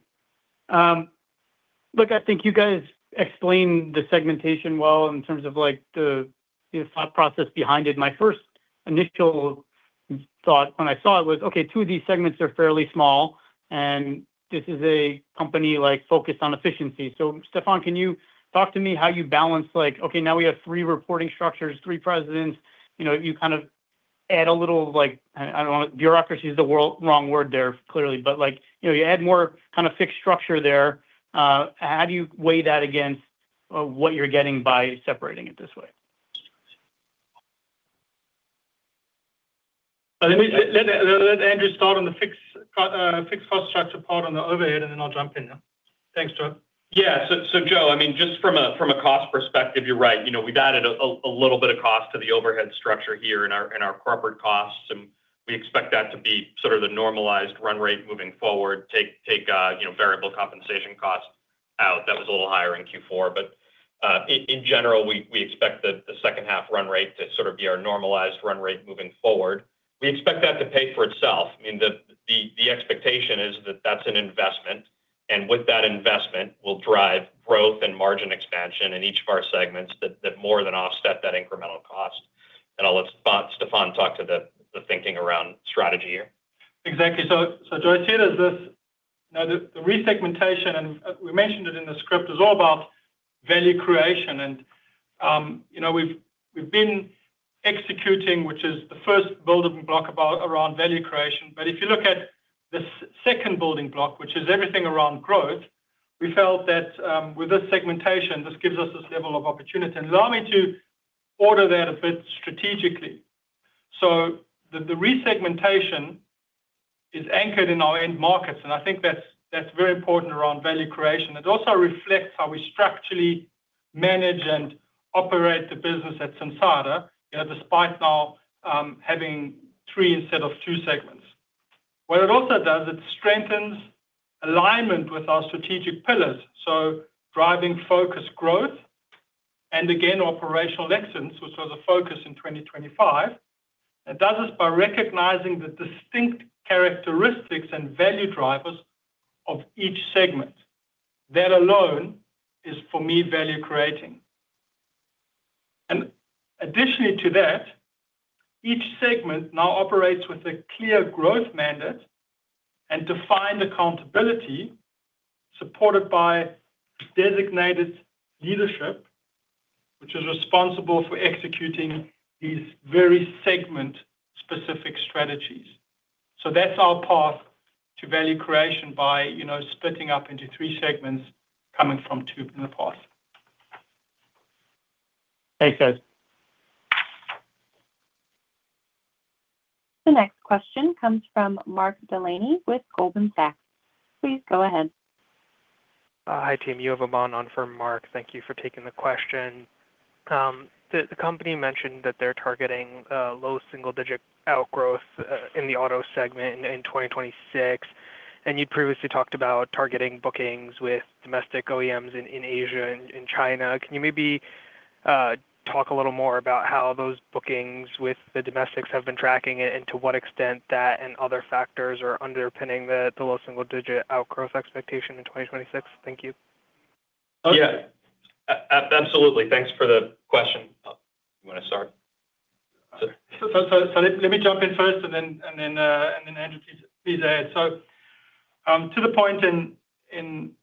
Look, I think you guys explained the segmentation well in terms of, like, the thought process behind it. My first initial thought when I saw it was, "Okay, two of these segments are fairly small, and this is a company, like, focused on efficiency." So, Stephan, can you talk to me how you balance, like, okay, now we have three reporting structures, three presidents, you know, you kind of add a little, like, I don't want, bureaucracy is the wrong word there, clearly, but, like, you know, you add more kind of fixed structure there. How do you weigh that against what you're getting by separating it this way? Let me let Andrew start on the fixed cost structure part on the overhead, and then I'll jump in. Thanks, Joe. Yeah. So, Joe, I mean, just from a cost perspective, you're right. You know, we've added a little bit of cost to the overhead structure here in our corporate costs, and we expect that to be sort of the normalized run rate moving forward, you know, variable compensation costs out. That was a little higher in Q4, but in general, we expect the second half run rate to sort of be our normalized run rate moving forward. We expect that to pay for itself. I mean, the expectation is that that's an investment, and with that investment will drive growth and margin expansion in each of our segments that more than offset that incremental cost. And I'll let Stephan talk to the thinking around strategy here. Exactly. So, Joe, I see it as this, you know, the resegmentation, and we mentioned it in the script, is all about value creation. You know, we've been executing, which is the first building block around value creation. But if you look at the second building block, which is everything around growth, we felt that with this segmentation, this gives us this level of opportunity. Allow me to order that a bit strategically. So the resegmentation is anchored in our end markets, and I think that's very important around value creation. It also reflects how we structurally manage and operate the business at Sensata, you know, despite now having three instead of two segments. What it also does, it strengthens alignment with our strategic pillars, so driving focused growth and, again, operational excellence, which was a focus in 2025. It does this by recognizing the distinct characteristics and value drivers of each segment. That alone is, for me, value creating. And additionally to that, each segment now operates with a clear growth mandate and defined accountability, supported by designated leadership, which is responsible for executing these very segment-specific strategies. So that's our path to value creation by, you know, splitting up into three segments coming from two in the past. Thanks, guys. The next question comes from Mark Delaney with Goldman Sachs. Please go ahead. Hi. [Timyu Bovun] on for Mark. Thank you for taking the question. The company mentioned that they're targeting low single-digit outgrowth in the auto segment in 2026, and you previously talked about targeting bookings with domestic OEMs in Asia and in China. Can you maybe talk a little more about how those bookings with the domestics have been tracking it, and to what extent that and other factors are underpinning the low single-digit outgrowth expectation in 2026? Thank you. Okay. Yeah. Absolutely. Thanks for the question. You wanna start? So let me jump in first, and then Andrew, please add. So, to the point, you know, in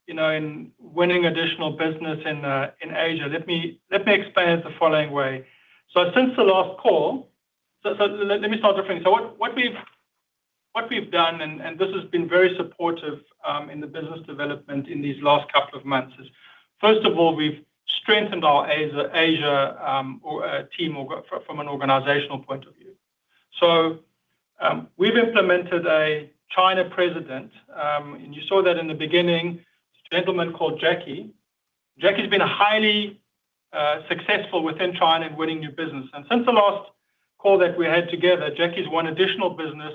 winning additional business in Asia, let me explain it the following way. So since the last call, let me start different. So what we've done, and this has been very supportive in the business development in these last couple of months, is, first of all, we've strengthened our Asia team from an organizational point of view. So, we've implemented a China President, and you saw that in the beginning, a gentleman called Jackie. Jackie's been highly successful within China in winning new business. And since the last call that we had together, Jackie's won additional business,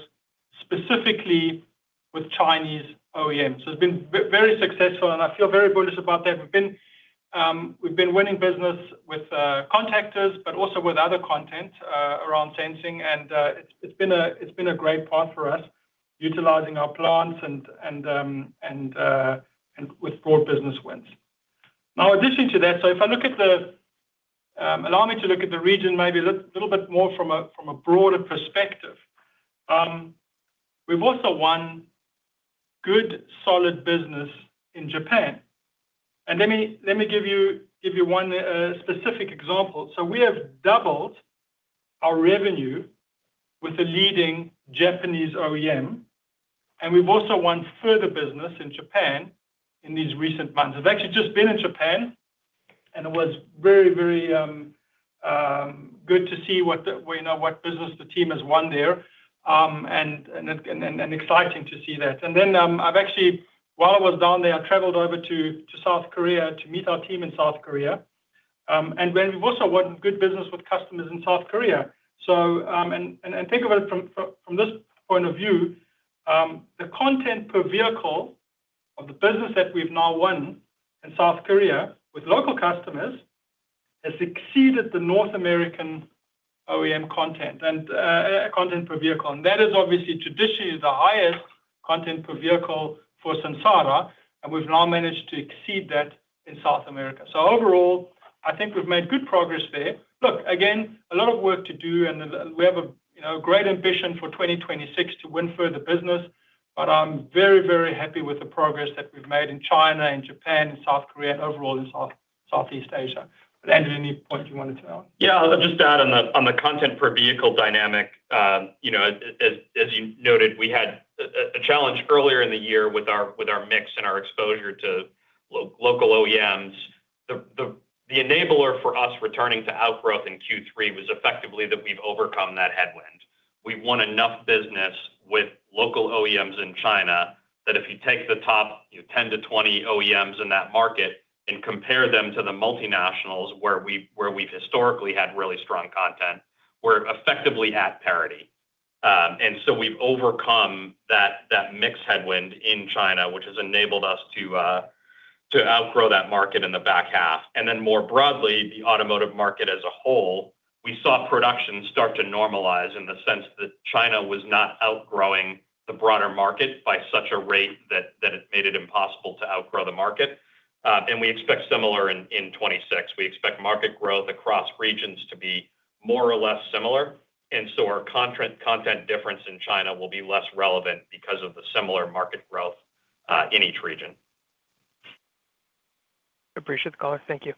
specifically with Chinese OEMs. So it's been very successful, and I feel very bullish about that. We've been winning business with contactors, but also with other content around sensing, and it's been a great path for us, utilizing our plants and with broad business wins. In addition to that, allow me to look at the region, maybe a little bit more from a broader perspective. We've also won good, solid business in Japan. And let me give you one specific example. So we have doubled our revenue with the leading Japanese OEM, and we've also won further business in Japan in these recent months. I've actually just been in Japan, and it was very, very good to see what the, you know, what business the team has won there, and exciting to see that. And then, I've actually, while I was down there, I traveled over to South Korea to meet our team in South Korea, and then we've also won good business with customers in South Korea. So, think about it from this point of view, the content per vehicle of the business that we've now won in South Korea with local customers has exceeded the North American OEM content and content per vehicle. And that is obviously, traditionally, the highest content per vehicle for Sensata, and we've now managed to exceed that in South America. So overall, I think we've made good progress there. Look, again, a lot of work to do, and we have a, you know, great ambition for 2026 to win further business. But I'm very, very happy with the progress that we've made in China and Japan and South Korea and overall in South, Southeast Asia. But Andrew, any point you wanted to add? Yeah, I'll just add on the content per vehicle dynamic. You know, as you noted, we had a challenge earlier in the year with our mix and our exposure to local OEMs. The enabler for us returning to outgrowth in Q3 was effectively that we've overcome that headwind. We've won enough business with local OEMs in China, that if you take the top 10-20 OEMs in that market and compare them to the multinationals where we've historically had really strong content, we're effectively at parity. And so we've overcome that mix headwind in China, which has enabled us to outgrow that market in the back half. And then more broadly, the automotive market as a whole, we saw production start to normalize in the sense that China was not outgrowing the broader market by such a rate that, that it made it impossible to outgrow the market. And we expect similar in 2026. We expect market growth across regions to be more or less similar, and so our content, content difference in China will be less relevant because of the similar market growth in each region. Appreciate the call. Thank you.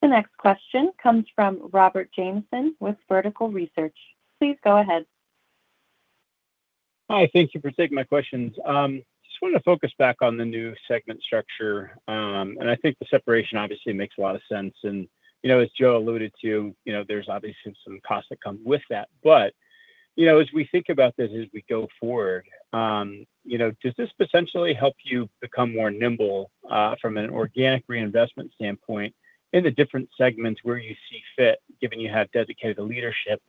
The next question comes from Robert Jamieson with Vertical Research. Please go ahead. Hi, thank you for taking my questions. Just wanted to focus back on the new segment structure, and I think the separation obviously makes a lot of sense. You know, as Joe alluded to, you know, there's obviously some costs that come with that. You know, as we think about this, as we go forward, you know, does this potentially help you become more nimble, from an organic reinvestment standpoint in the different segments where you see fit, given you have dedicated leadership,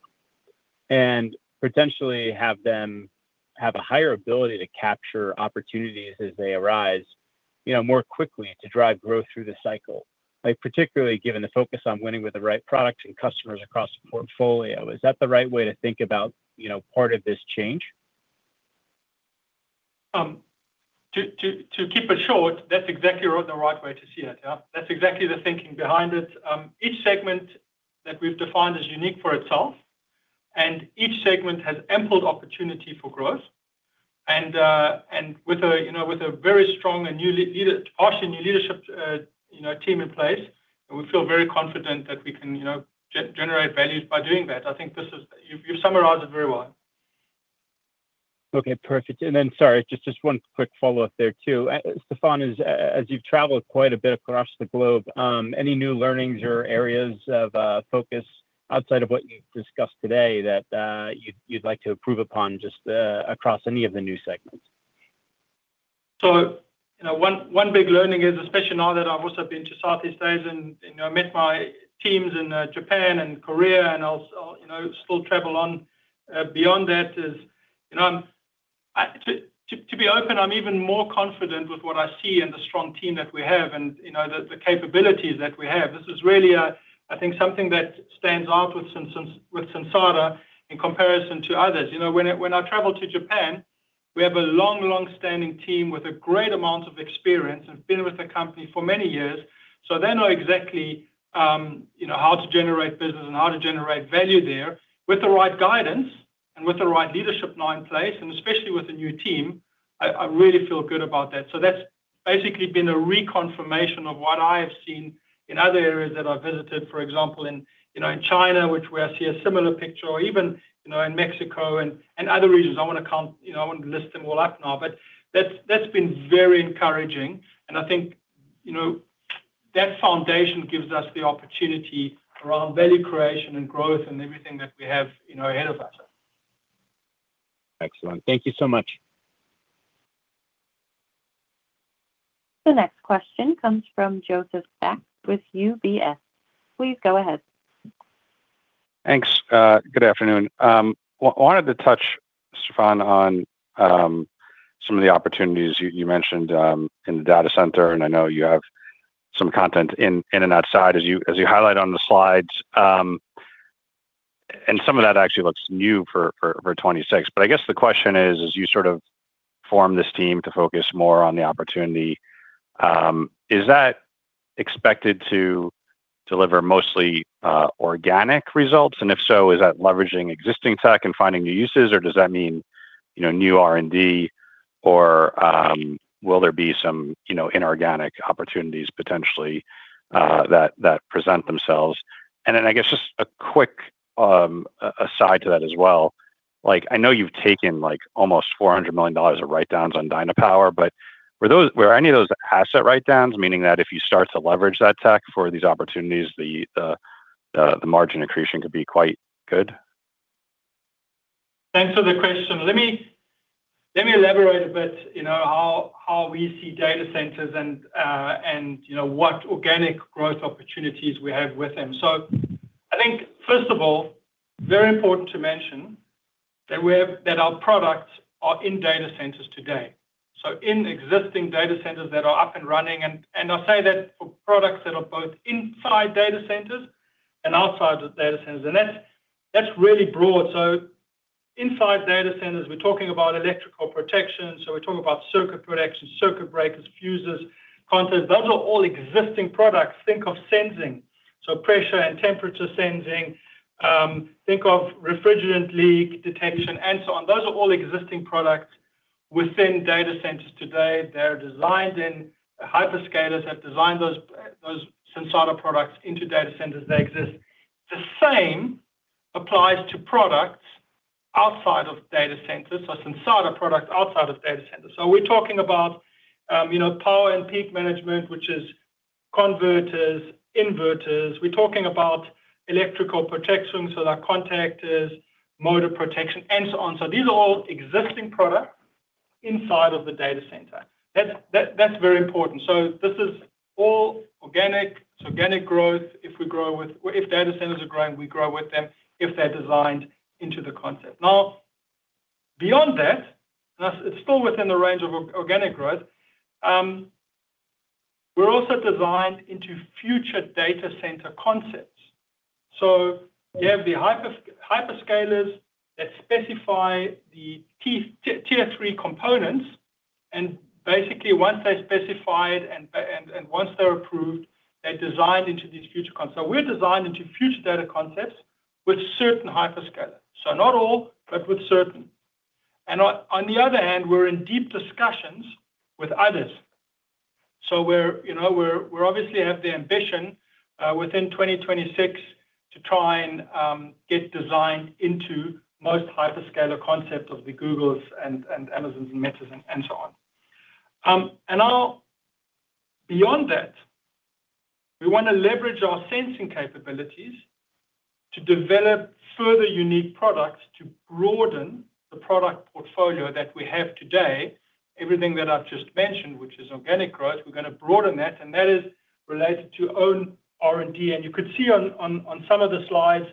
and potentially have them have a higher ability to capture opportunities as they arise, you know, more quickly to drive growth through the cycle? Like, particularly, given the focus on winning with the right products and customers across the portfolio, is that the right way to think about, you know, part of this change? To keep it short, that's exactly the right way to see it. Yeah, that's exactly the thinking behind it. Each segment that we've defined is unique for itself, and each segment has ample opportunity for growth. And with a very strong and awesome new leadership, you know, team in place, and we feel very confident that we can, you know, generate value by doing that. I think this is. You've summarized it very well. Okay, perfect. And then, sorry, just, just one quick follow-up there, too. Stephan, as, as you've traveled quite a bit across the globe, any new learnings or areas of focus outside of what you've discussed today that, you'd, you'd like to improve upon just, across any of the new segments? So, you know, one big learning is, especially now that I've also been to Southeast Asia and, you know, met my teams in Japan and Korea, and I'll, you know, still travel on beyond that, is, you know, to be open, I'm even more confident with what I see and the strong team that we have and, you know, the capabilities that we have. This is really a, I think, something that stands out with Sensata in comparison to others. You know, when I travel to Japan, we have a longstanding team with a great amount of experience and been with the company for many years, so they know exactly, you know, how to generate business and how to generate value there. With the right guidance and with the right leadership now in place, and especially with the new team, I really feel good about that. So that's basically been a reconfirmation of what I have seen in other areas that I've visited, for example, in, you know, in China, where I see a similar picture or even, you know, in Mexico and other regions. I don't want to list them all up now, but that's been very encouraging, and I think, you know, that foundation gives us the opportunity around value creation and growth and everything that we have, you know, ahead of us. Excellent. Thank you so much. The next question comes from Joseph Spak with UBS. Please go ahead. Thanks. Good afternoon. I wanted to touch, Stephan, on some of the opportunities you mentioned in the data center, and I know you have some content in and outside as you highlight on the slides. Some of that actually looks new for 2026. But I guess the question is, as you sort of form this team to focus more on the opportunity, is that expected to deliver mostly organic results? And if so, is that leveraging existing tech and finding new uses, or does that mean, you know, new R&D or will there be some, you know, inorganic opportunities potentially that present themselves? Then I guess just a quick aside to that as well, like, I know you've taken, like, almost $400 million of write-downs on Dynapower, but were any of those asset write-downs, meaning that if you start to leverage that tech for these opportunities, the margin accretion could be quite good? Thanks for the question. Let me elaborate a bit, you know, how we see data centers and, and you know, what organic growth opportunities we have with them. So I think, first of all, very important to mention that our products are in data centers today. So in existing data centers that are up and running, and I say that for products that are both inside data centers and outside the data centers, and that's really broad. So inside data centers, we're talking about electrical protection, so we're talking about circuit protection, circuit breakers, fuses, contacts. Those are all existing products. Think of sensing, so pressure and temperature sensing, think of refrigerant leak detection, and so on. Those are all existing products within data centers today. They're designed in, the hyperscalers have designed those Sensata products into data centers, they exist. The same applies to products outside of data centers or Sensata products outside of data centers. So we're talking about, you know, power and peak management, which is converters, inverters. We're talking about electrical protection, so that contactors, motor protection, and so on. So these are all existing products inside of the data center. That's, that's very important. So this is all organic, so organic growth, if data centers are growing, we grow with them, if they're designed into the concept. Now, beyond that, and that's, it's still within the range of organic growth, we're also designed into future data center concepts. So you have the hyperscalers that specify the Tier 3 components, and basically, once they're specified and once they're approved, they're designed into these future concepts. So we're designed into future data concepts with certain hyperscalers. So not all, but with certain. And on the other hand, we're in deep discussions with others. So we're, you know, we obviously have the ambition within 2026 to try and get designed into most hyperscaler concepts of the Googles and Amazons and Metas and so on. And now, beyond that, we want to leverage our sensing capabilities to develop further unique products to broaden the product portfolio that we have today. Everything that I've just mentioned, which is organic growth, we're gonna broaden that, and that is related to own R&D. And you could see on some of the slides,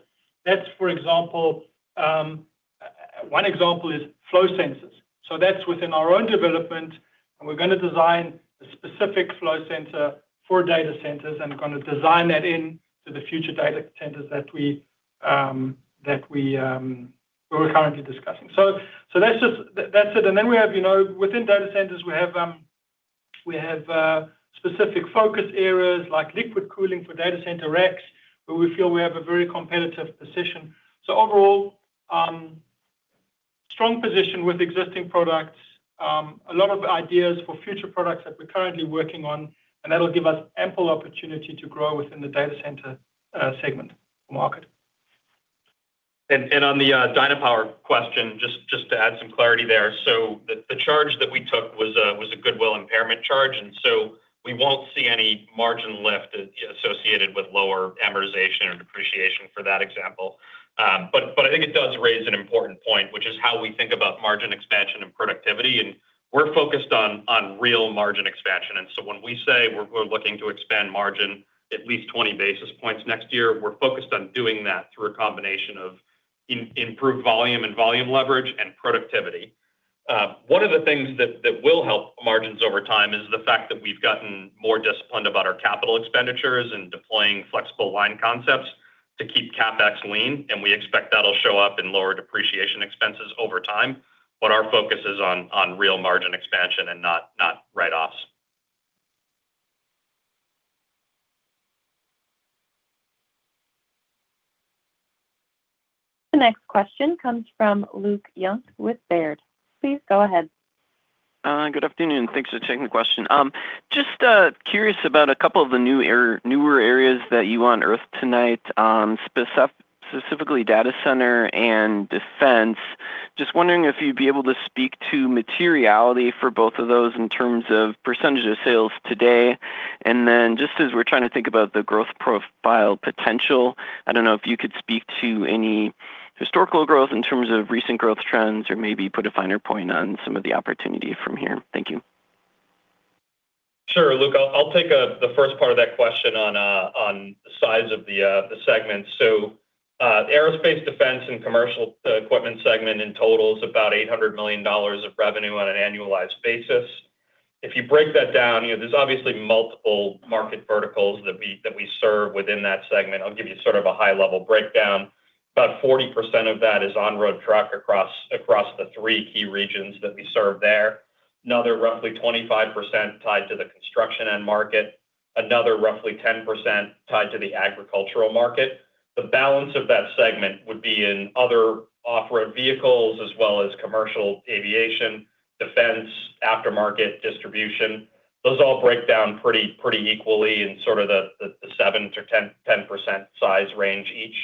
that's, for example, one example is flow sensors. So that's within our own development, and we're gonna design a specific flow sensor for data centers, and we're gonna design that in to the future data centers that we're currently discussing. So that's just... That's it. And then we have, you know, within data centers, we have specific focus areas like liquid cooling for data center racks, where we feel we have a very competitive position. So overall, strong position with existing products, a lot of ideas for future products that we're currently working on, and that'll give us ample opportunity to grow within the data center segment market. On the Dynapower question, just to add some clarity there. So the charge that we took was a goodwill impairment charge, and so we won't see any margin lift as associated with lower amortization or depreciation, for that example. But I think it does raise an important point, which is how we think about margin expansion and productivity, and we're focused on real margin expansion. So when we say we're looking to expand margin at least 20 basis points next year, we're focused on doing that through a combination of improved volume and volume leverage and productivity. One of the things that will help margins over time is the fact that we've gotten more disciplined about our capital expenditures and deploying flexible line concepts to keep CapEx lean, and we expect that'll show up in lower depreciation expenses over time. But our focus is on real margin expansion and not write-offs. The next question comes from Luke Junk with Baird. Please go ahead. Good afternoon. Thanks for taking the question. Just curious about a couple of the newer areas that you unearthed tonight, specifically data center and defense. Just wondering if you'd be able to speak to materiality for both of those in terms of percentage of sales today. And then, just as we're trying to think about the growth profile potential, I don't know if you could speak to any historical growth in terms of recent growth trends or maybe put a finer point on some of the opportunity from here. Thank you. Sure, Luke. I'll, I'll take the first part of that question on the size of the segment. So, aerospace, defense, and commercial equipment segment in total is about $800 million of revenue on an annualized basis. If you break that down, you know, there's obviously multiple market verticals that we, that we serve within that segment. I'll give you sort of a high-level breakdown. About 40% of that is on-road truck across, across the three key regions that we serve there. Another roughly 25% tied to the construction end market, another roughly 10% tied to the agricultural market. The balance of that segment would be in other off-road vehicles as well as commercial aviation, defense, aftermarket, distribution. Those all break down pretty, pretty equally in sort of the 7%-10% size range each.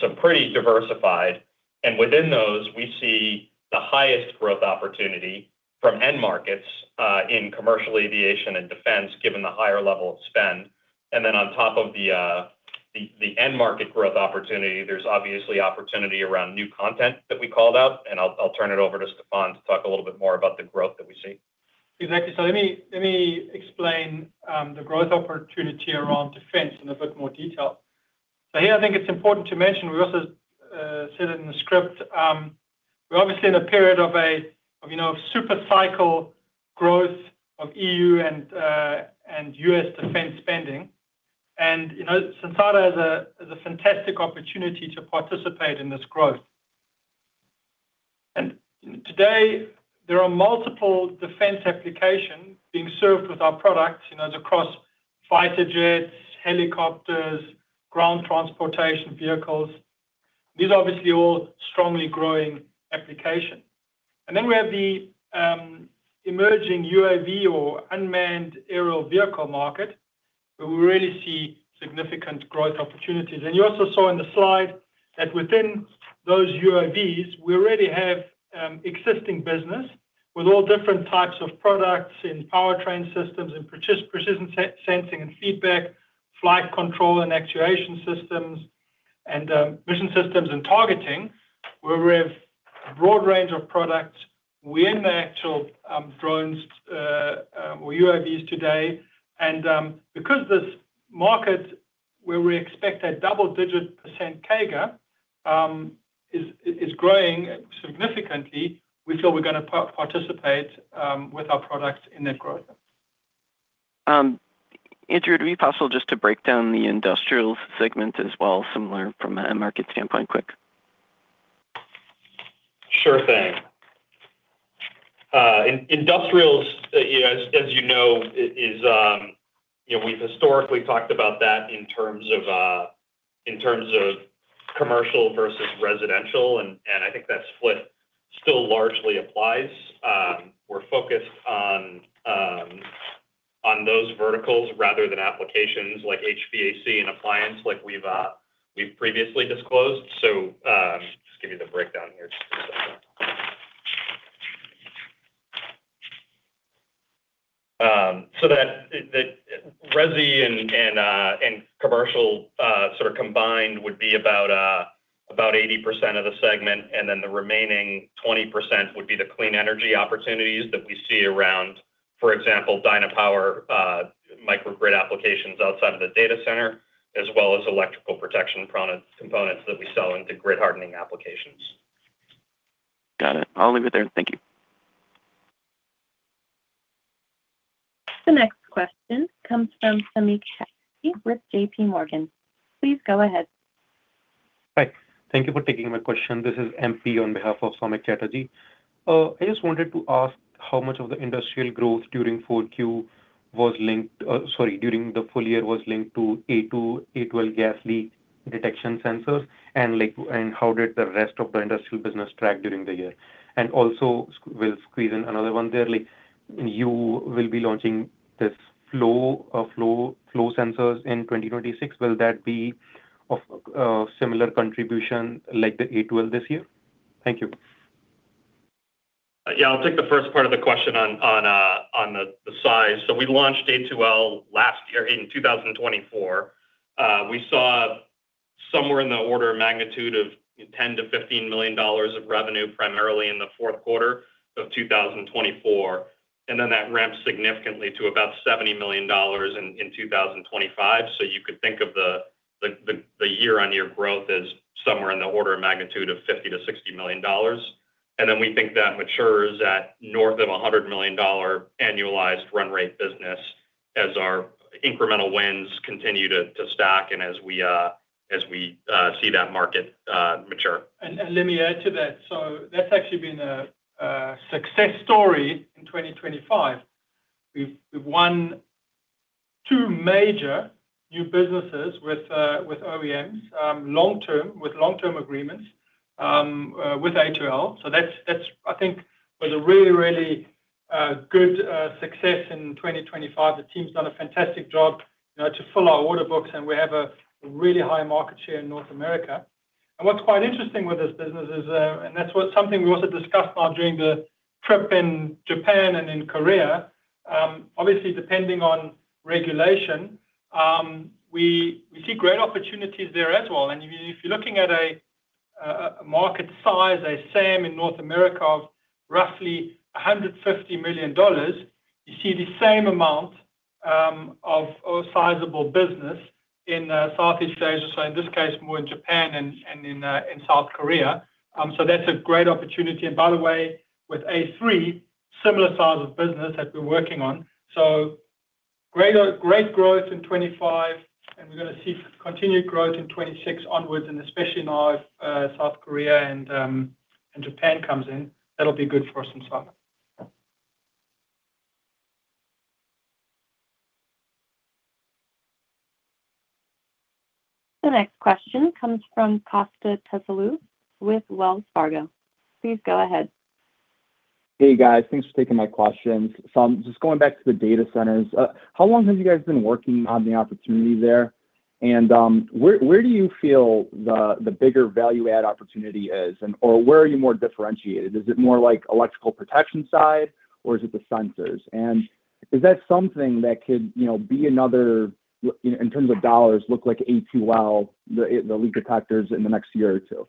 So pretty diversified, and within those, we see the highest growth opportunity from end markets in commercial aviation and defense, given the higher level of spend. And then on top of the end market growth opportunity, there's obviously opportunity around new content that we called out, and I'll turn it over to Stephan to talk a little bit more about the growth that we see. Exactly. So let me, let me explain, the growth opportunity around defense in a bit more detail. So here, I think it's important to mention, we also said it in the script, we're obviously in a period of a, of, you know, super cycle growth of EU and, and U.S. defense spending. And, you know, Sensata has a, has a fantastic opportunity to participate in this growth. And today there are multiple defense application being served with our products, you know, across fighter jets, helicopters, ground transportation vehicles. These are obviously all strongly growing application. And then we have the, emerging UAV or unmanned aerial vehicle market, where we really see significant growth opportunities. You also saw in the slide that within those UAVs, we already have existing business with all different types of products in powertrain systems, in precision sensing and feedback, flight control and actuation systems, and mission systems and targeting, where we have a broad range of products. We're in the actual drones or UAVs today. Because this market, where we expect a double-digit% CAGR, is growing significantly, we feel we're gonna participate with our products in that growth. Andrew, would it be possible just to break down the industrial segment as well, similar from a market standpoint, quick? Sure thing. Industrials, as you know, is, you know, we've historically talked about that in terms of, in terms of commercial versus residential, and I think that split still largely applies. We're focused on those verticals rather than applications like HVAC and appliance like we've previously disclosed. So, just give you the breakdown here. So that the resi and commercial sort of combined would be about 80% of the segment, and then the remaining 20% would be the clean energy opportunities that we see around, for example, Dynapower, Microgrid applications outside of the data center, as well as electrical protection components that we sell into grid hardening applications. Got it. I'll leave it there. Thank you. The next question comes from Samik Chatterjee with JPMorgan. Please go ahead. Hi, thank you for taking my question. This is MP on behalf of Samik Chatterjee. I just wanted to ask how much of the industrial growth during Q4 was linked, sorry, during the full year was linked to A2L gas leak detection sensors, and like, and how did the rest of the industrial business track during the year? And also, we'll squeeze in another one there. Like, you will be launching this flow sensors in 2026. Will that be of, similar contribution like the A2L this year? Thank you. Yeah, I'll take the first part of the question on the size. So we launched A2L last year in 2024. We saw somewhere in the order of magnitude of $10 million-$15 million of revenue, primarily in the fourth quarter of 2024, and then that ramped significantly to about $70 million in 2025. So you could think of the year-on-year growth as somewhere in the order of magnitude of $50-$60 million. And then we think that matures at north of $100 million annualized run rate business as our incremental wins continue to stack and as we see that market mature. And let me add to that. So that's actually been a success story in 2025. We've won two major new businesses with OEMs, long term, with long-term agreements, with A2L. So that's, I think was a really good success in 2025. The team's done a fantastic job, you know, to fill our order books, and we have a really high market share in North America. And what's quite interesting with this business is, and that's what something we also discussed about during the trip in Japan and in Korea, obviously, depending on regulation, we see great opportunities there as well. And if you're looking at a market size, I say in North America of roughly $150 million, you see the same amount of sizable business in Southeast Asia, so in this case, more in Japan and in South Korea. So that's a great opportunity. And by the way, with A3, similar size of business that we're working on. So great growth in 2025, and we're gonna see continued growth in 2026 onwards, and especially now if South Korea and Japan comes in, that'll be good for Sensata. The next question comes from Kosta Tasoulis with Wells Fargo. Please go ahead. Hey, guys. Thanks for taking my questions. So I'm just going back to the data centers. How long have you guys been working on the opportunity there? And where do you feel the bigger value-add opportunity is? And or where are you more differentiated? Is it more like electrical protection side or is it the sensors? And is that something that could, you know, be another, in terms of dollars, look like A2L, the leak detectors in the next year or two?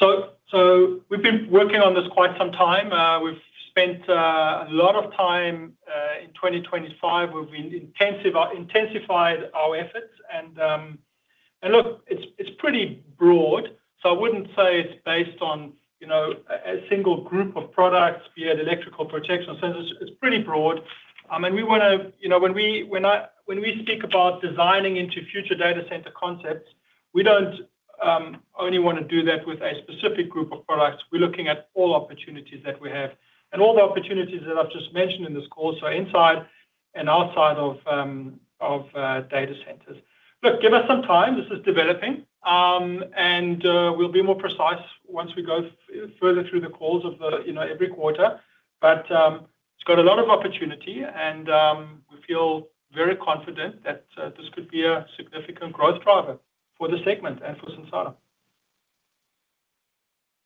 So, we've been working on this quite some time. We've spent a lot of time in 2025. We've intensified our efforts. And look, it's pretty broad, so I wouldn't say it's based on, you know, a single group of products via the electrical protection centers. It's pretty broad. And we wanna, you know, when we speak about designing into future data center concepts, we don't only wanna do that with a specific group of products. We're looking at all opportunities that we have. And all the opportunities that I've just mentioned in this call, so inside and outside of data centers. Look, give us some time. This is developing. And we'll be more precise once we go further through the calls of the, you know, every quarter. But, it's got a lot of opportunity, and we feel very confident that this could be a significant growth driver for the segment and for Sensata.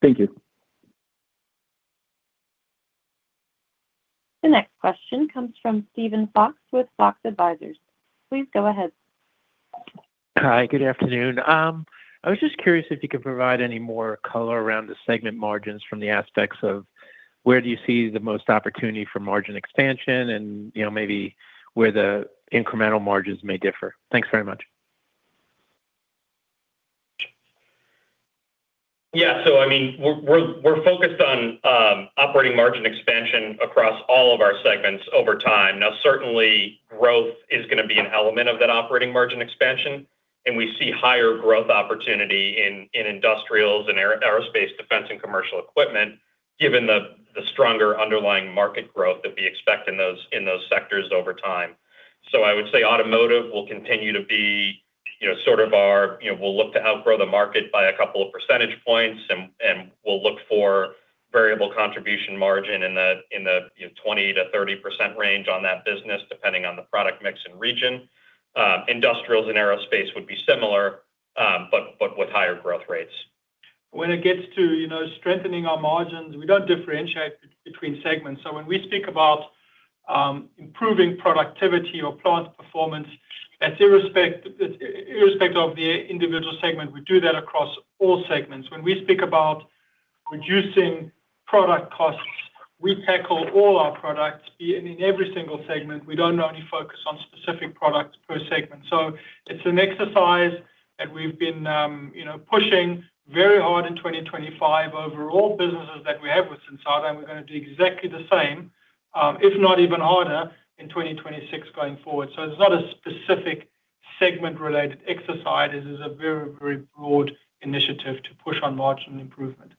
Thank you. The next question comes from Steven Fox with Fox Advisors. Please go ahead. Hi, good afternoon. I was just curious if you could provide any more color around the segment margins from the aspects of where do you see the most opportunity for margin expansion and, you know, maybe where the incremental margins may differ? Thanks very much. Yeah. So I mean, we're focused on operating margin expansion across all of our segments over time. Now, certainly, growth is gonna be an element of that operating margin expansion, and we see higher growth opportunity in industrials and aerospace, defense, and commercial equipment, given the stronger underlying market growth that we expect in those sectors over time. So I would say automotive will continue to be, you know, sort of our, you know, we'll look to outgrow the market by a couple of percentage points, and we'll look for variable contribution margin in the, you know, 20%-30% range on that business, depending on the product mix and region. Industrials and aerospace would be similar, but with higher growth rates. When it gets to, you know, strengthening our margins, we don't differentiate between segments. So when we speak about improving productivity or plant performance, irrespective of the individual segment, we do that across all segments. When we speak about reducing product costs, we tackle all our products in every single segment. We don't only focus on specific products per segment. So it's an exercise that we've been, you know, pushing very hard in 2025 over all businesses that we have with Sensata, and we're gonna do exactly the same, if not even harder, in 2026 going forward. So it's not a specific segment-related exercise. This is a very, very broad initiative to push on margin improvement.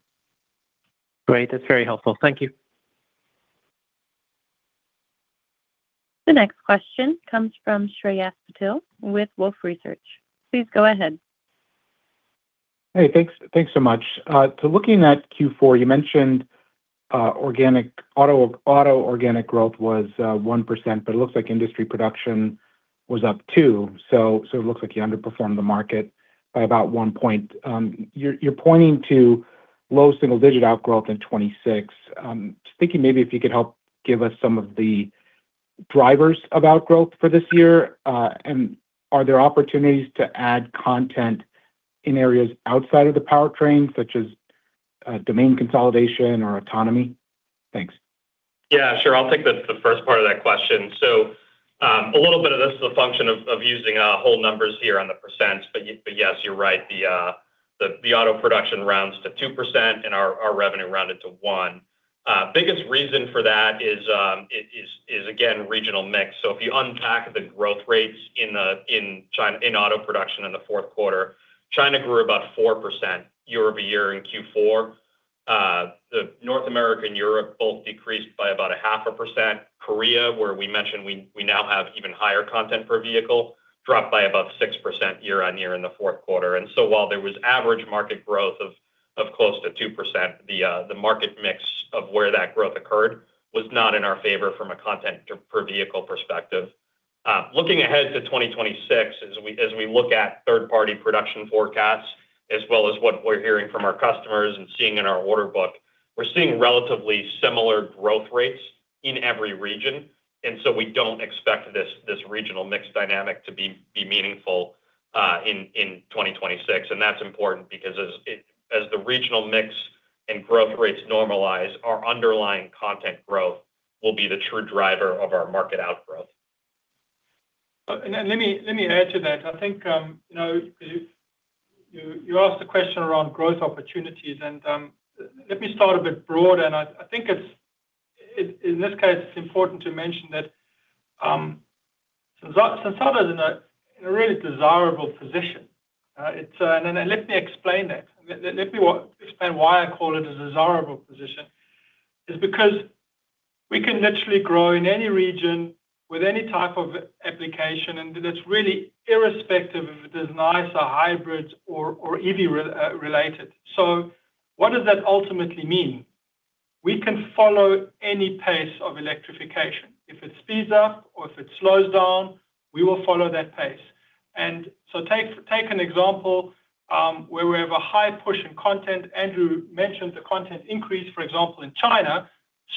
Great, that's very helpful. Thank you. The next question comes from Shreyas Patil with Wolfe Research. Please go ahead. Hey, thanks, thanks so much. So looking at Q4, you mentioned organic auto organic growth was 1%, but it looks like industry production was up 2%. So it looks like you underperformed the market by about one point. You're pointing to low single-digit outgrowth in 2026. Just thinking maybe if you could help give us some of the drivers of outgrowth for this year. And are there opportunities to add content in areas outside of the powertrain, such as domain consolidation or autonomy? Thanks. Yeah, sure. I'll take the first part of that question. So, a little bit of this is a function of using whole numbers here on the percent, but yes, you're right. The auto production rounds to 2%, and our revenue rounded to 1%. Biggest reason for that is, again, regional mix. So if you unpack the growth rates in China in auto production in the fourth quarter, China grew about 4% year-over-year in Q4. The North America and Europe both decreased by about 0.5%. Korea, where we mentioned we now have even higher content per vehicle, dropped by about 6% year-over-year in the fourth quarter. So while there was average market growth of close to 2%, the market mix of where that growth occurred was not in our favor from a content per vehicle perspective. Looking ahead to 2026, as we look at third-party production forecasts, as well as what we're hearing from our customers and seeing in our order book, we're seeing relatively similar growth rates in every region, and so we don't expect this regional mix dynamic to be meaningful in 2026. And that's important because as the regional mix and growth rates normalize, our underlying content growth will be the true driver of our market outgrowth. And let me, let me add to that. I think, you know, you, you, you asked the question around growth opportunities, and, let me start a bit broader. And I, I think it's, in, in this case, it's important to mention that, Sensata, Sensata is in a, in a really desirable position. And let me explain that. Let, let me explain why I call it a desirable position, is because we can literally grow in any region with any type of application, and that's really irrespective if it is ICE or hybrids or, or EV related. So what does that ultimately mean? We can follow any pace of electrification. If it speeds up or if it slows down, we will follow that pace. And so take, take an example, where we have a high push in content. Andrew mentioned the content increase, for example, in China,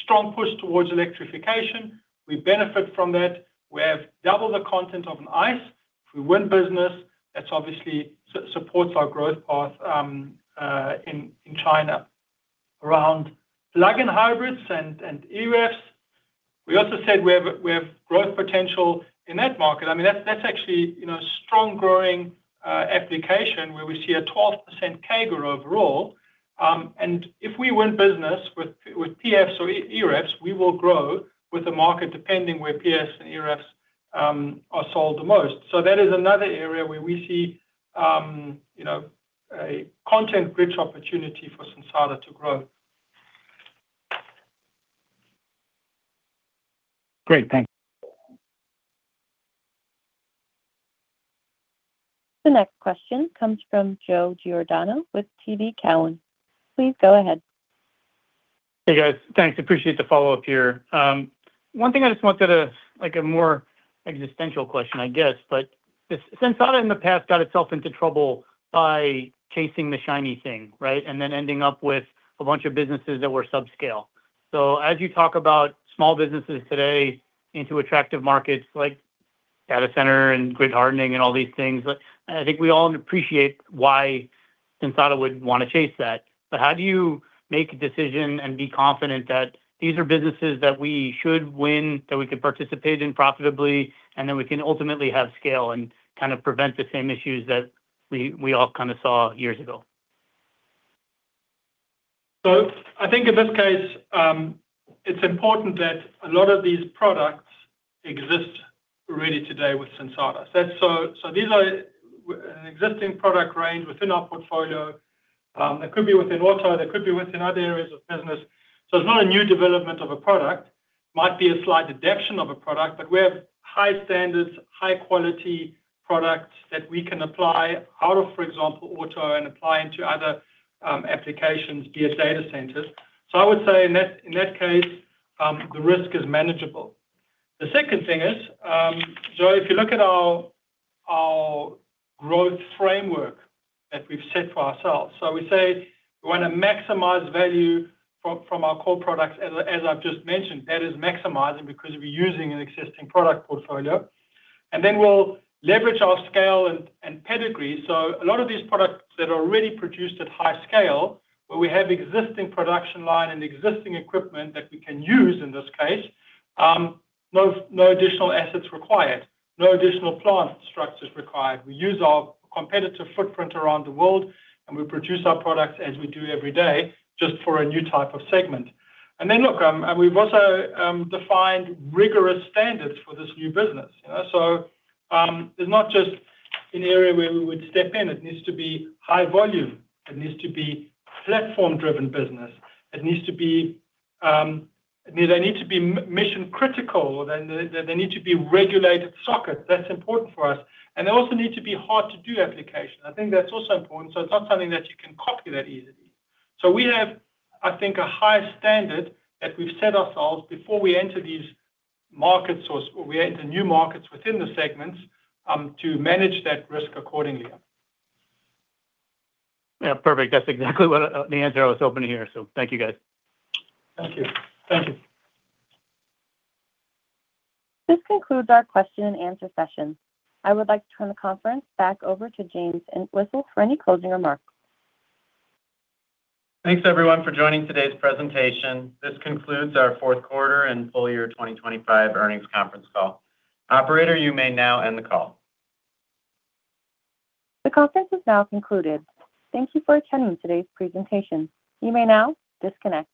strong push towards electrification. We benefit from that. We have double the content of an ICE. If we win business, that's obviously supports our growth path in China. Around plug-in hybrids and EREVs, we also said we have growth potential in that market. I mean, that's actually, you know, strong growing application where we see a 12% CAGR overall. And if we win business with PHEV or EREVs, we will grow with the market, depending where PHEVs and EREVs are sold the most. So that is another area where we see, you know, a content rich opportunity for Sensata to grow. Great, thank you. The next question comes from Joe Giordano with TD Cowen. Please go ahead. Hey, guys. Thanks. Appreciate the follow-up here. One thing I just wanted to, like a more existential question, I guess, but Sensata in the past got itself into trouble by chasing the shiny thing, right? And then ending up with a bunch of businesses that were subscale. So as you talk about small businesses today into attractive markets like data center and grid hardening and all these things, I think we all appreciate why Sensata would want to chase that. But how do you make a decision and be confident that these are businesses that we should win, that we can participate in profitably, and then we can ultimately have scale and kind of prevent the same issues that we, we all kind of saw years ago? So I think in this case, it's important that a lot of these products exist really today with Sensata. So, these are an existing product range within our portfolio. They could be within auto, they could be within other areas of business. So it's not a new development of a product. Might be a slight adaptation of a product, but we have high standards, high quality products that we can apply out of, for example, auto and apply into other applications via data centers. So I would say in that case, the risk is manageable. The second thing is, Joe, if you look at our growth framework that we've set for ourselves, so we say we want to maximize value from our core products, as I've just mentioned, that is maximizing because we're using an existing product portfolio. And then we'll leverage our scale and pedigree. So a lot of these products that are already produced at high scale, where we have existing production line and existing equipment that we can use in this case, no, no additional assets required, no additional plant structures required. We use our competitive footprint around the world, and we produce our products as we do every day, just for a new type of segment. And then, look, and we've also defined rigorous standards for this new business. You know, so, it's not just an area where we would step in. It needs to be high volume, it needs to be platform-driven business, it needs to be, they need to be mission critical, and they need to be regulated sockets. That's important for us, and they also need to be hard-to-do application. I think that's also important, so it's not something that you can copy that easily. So we have, I think, a high standard that we've set ourselves before we enter these markets or we enter new markets within the segments, to manage that risk accordingly. Yeah, perfect. That's exactly what the answer I was hoping to hear. So thank you, guys. Thank you. Thank you. This concludes our question and answer session. I would like to turn the conference back over to James Entwistle for any closing remarks. Thanks, everyone, for joining today's presentation. This concludes our fourth quarter and full year 2025 earnings conference call. Operator, you may now end the call. The conference is now concluded. Thank you for attending today's presentation. You may now disconnect.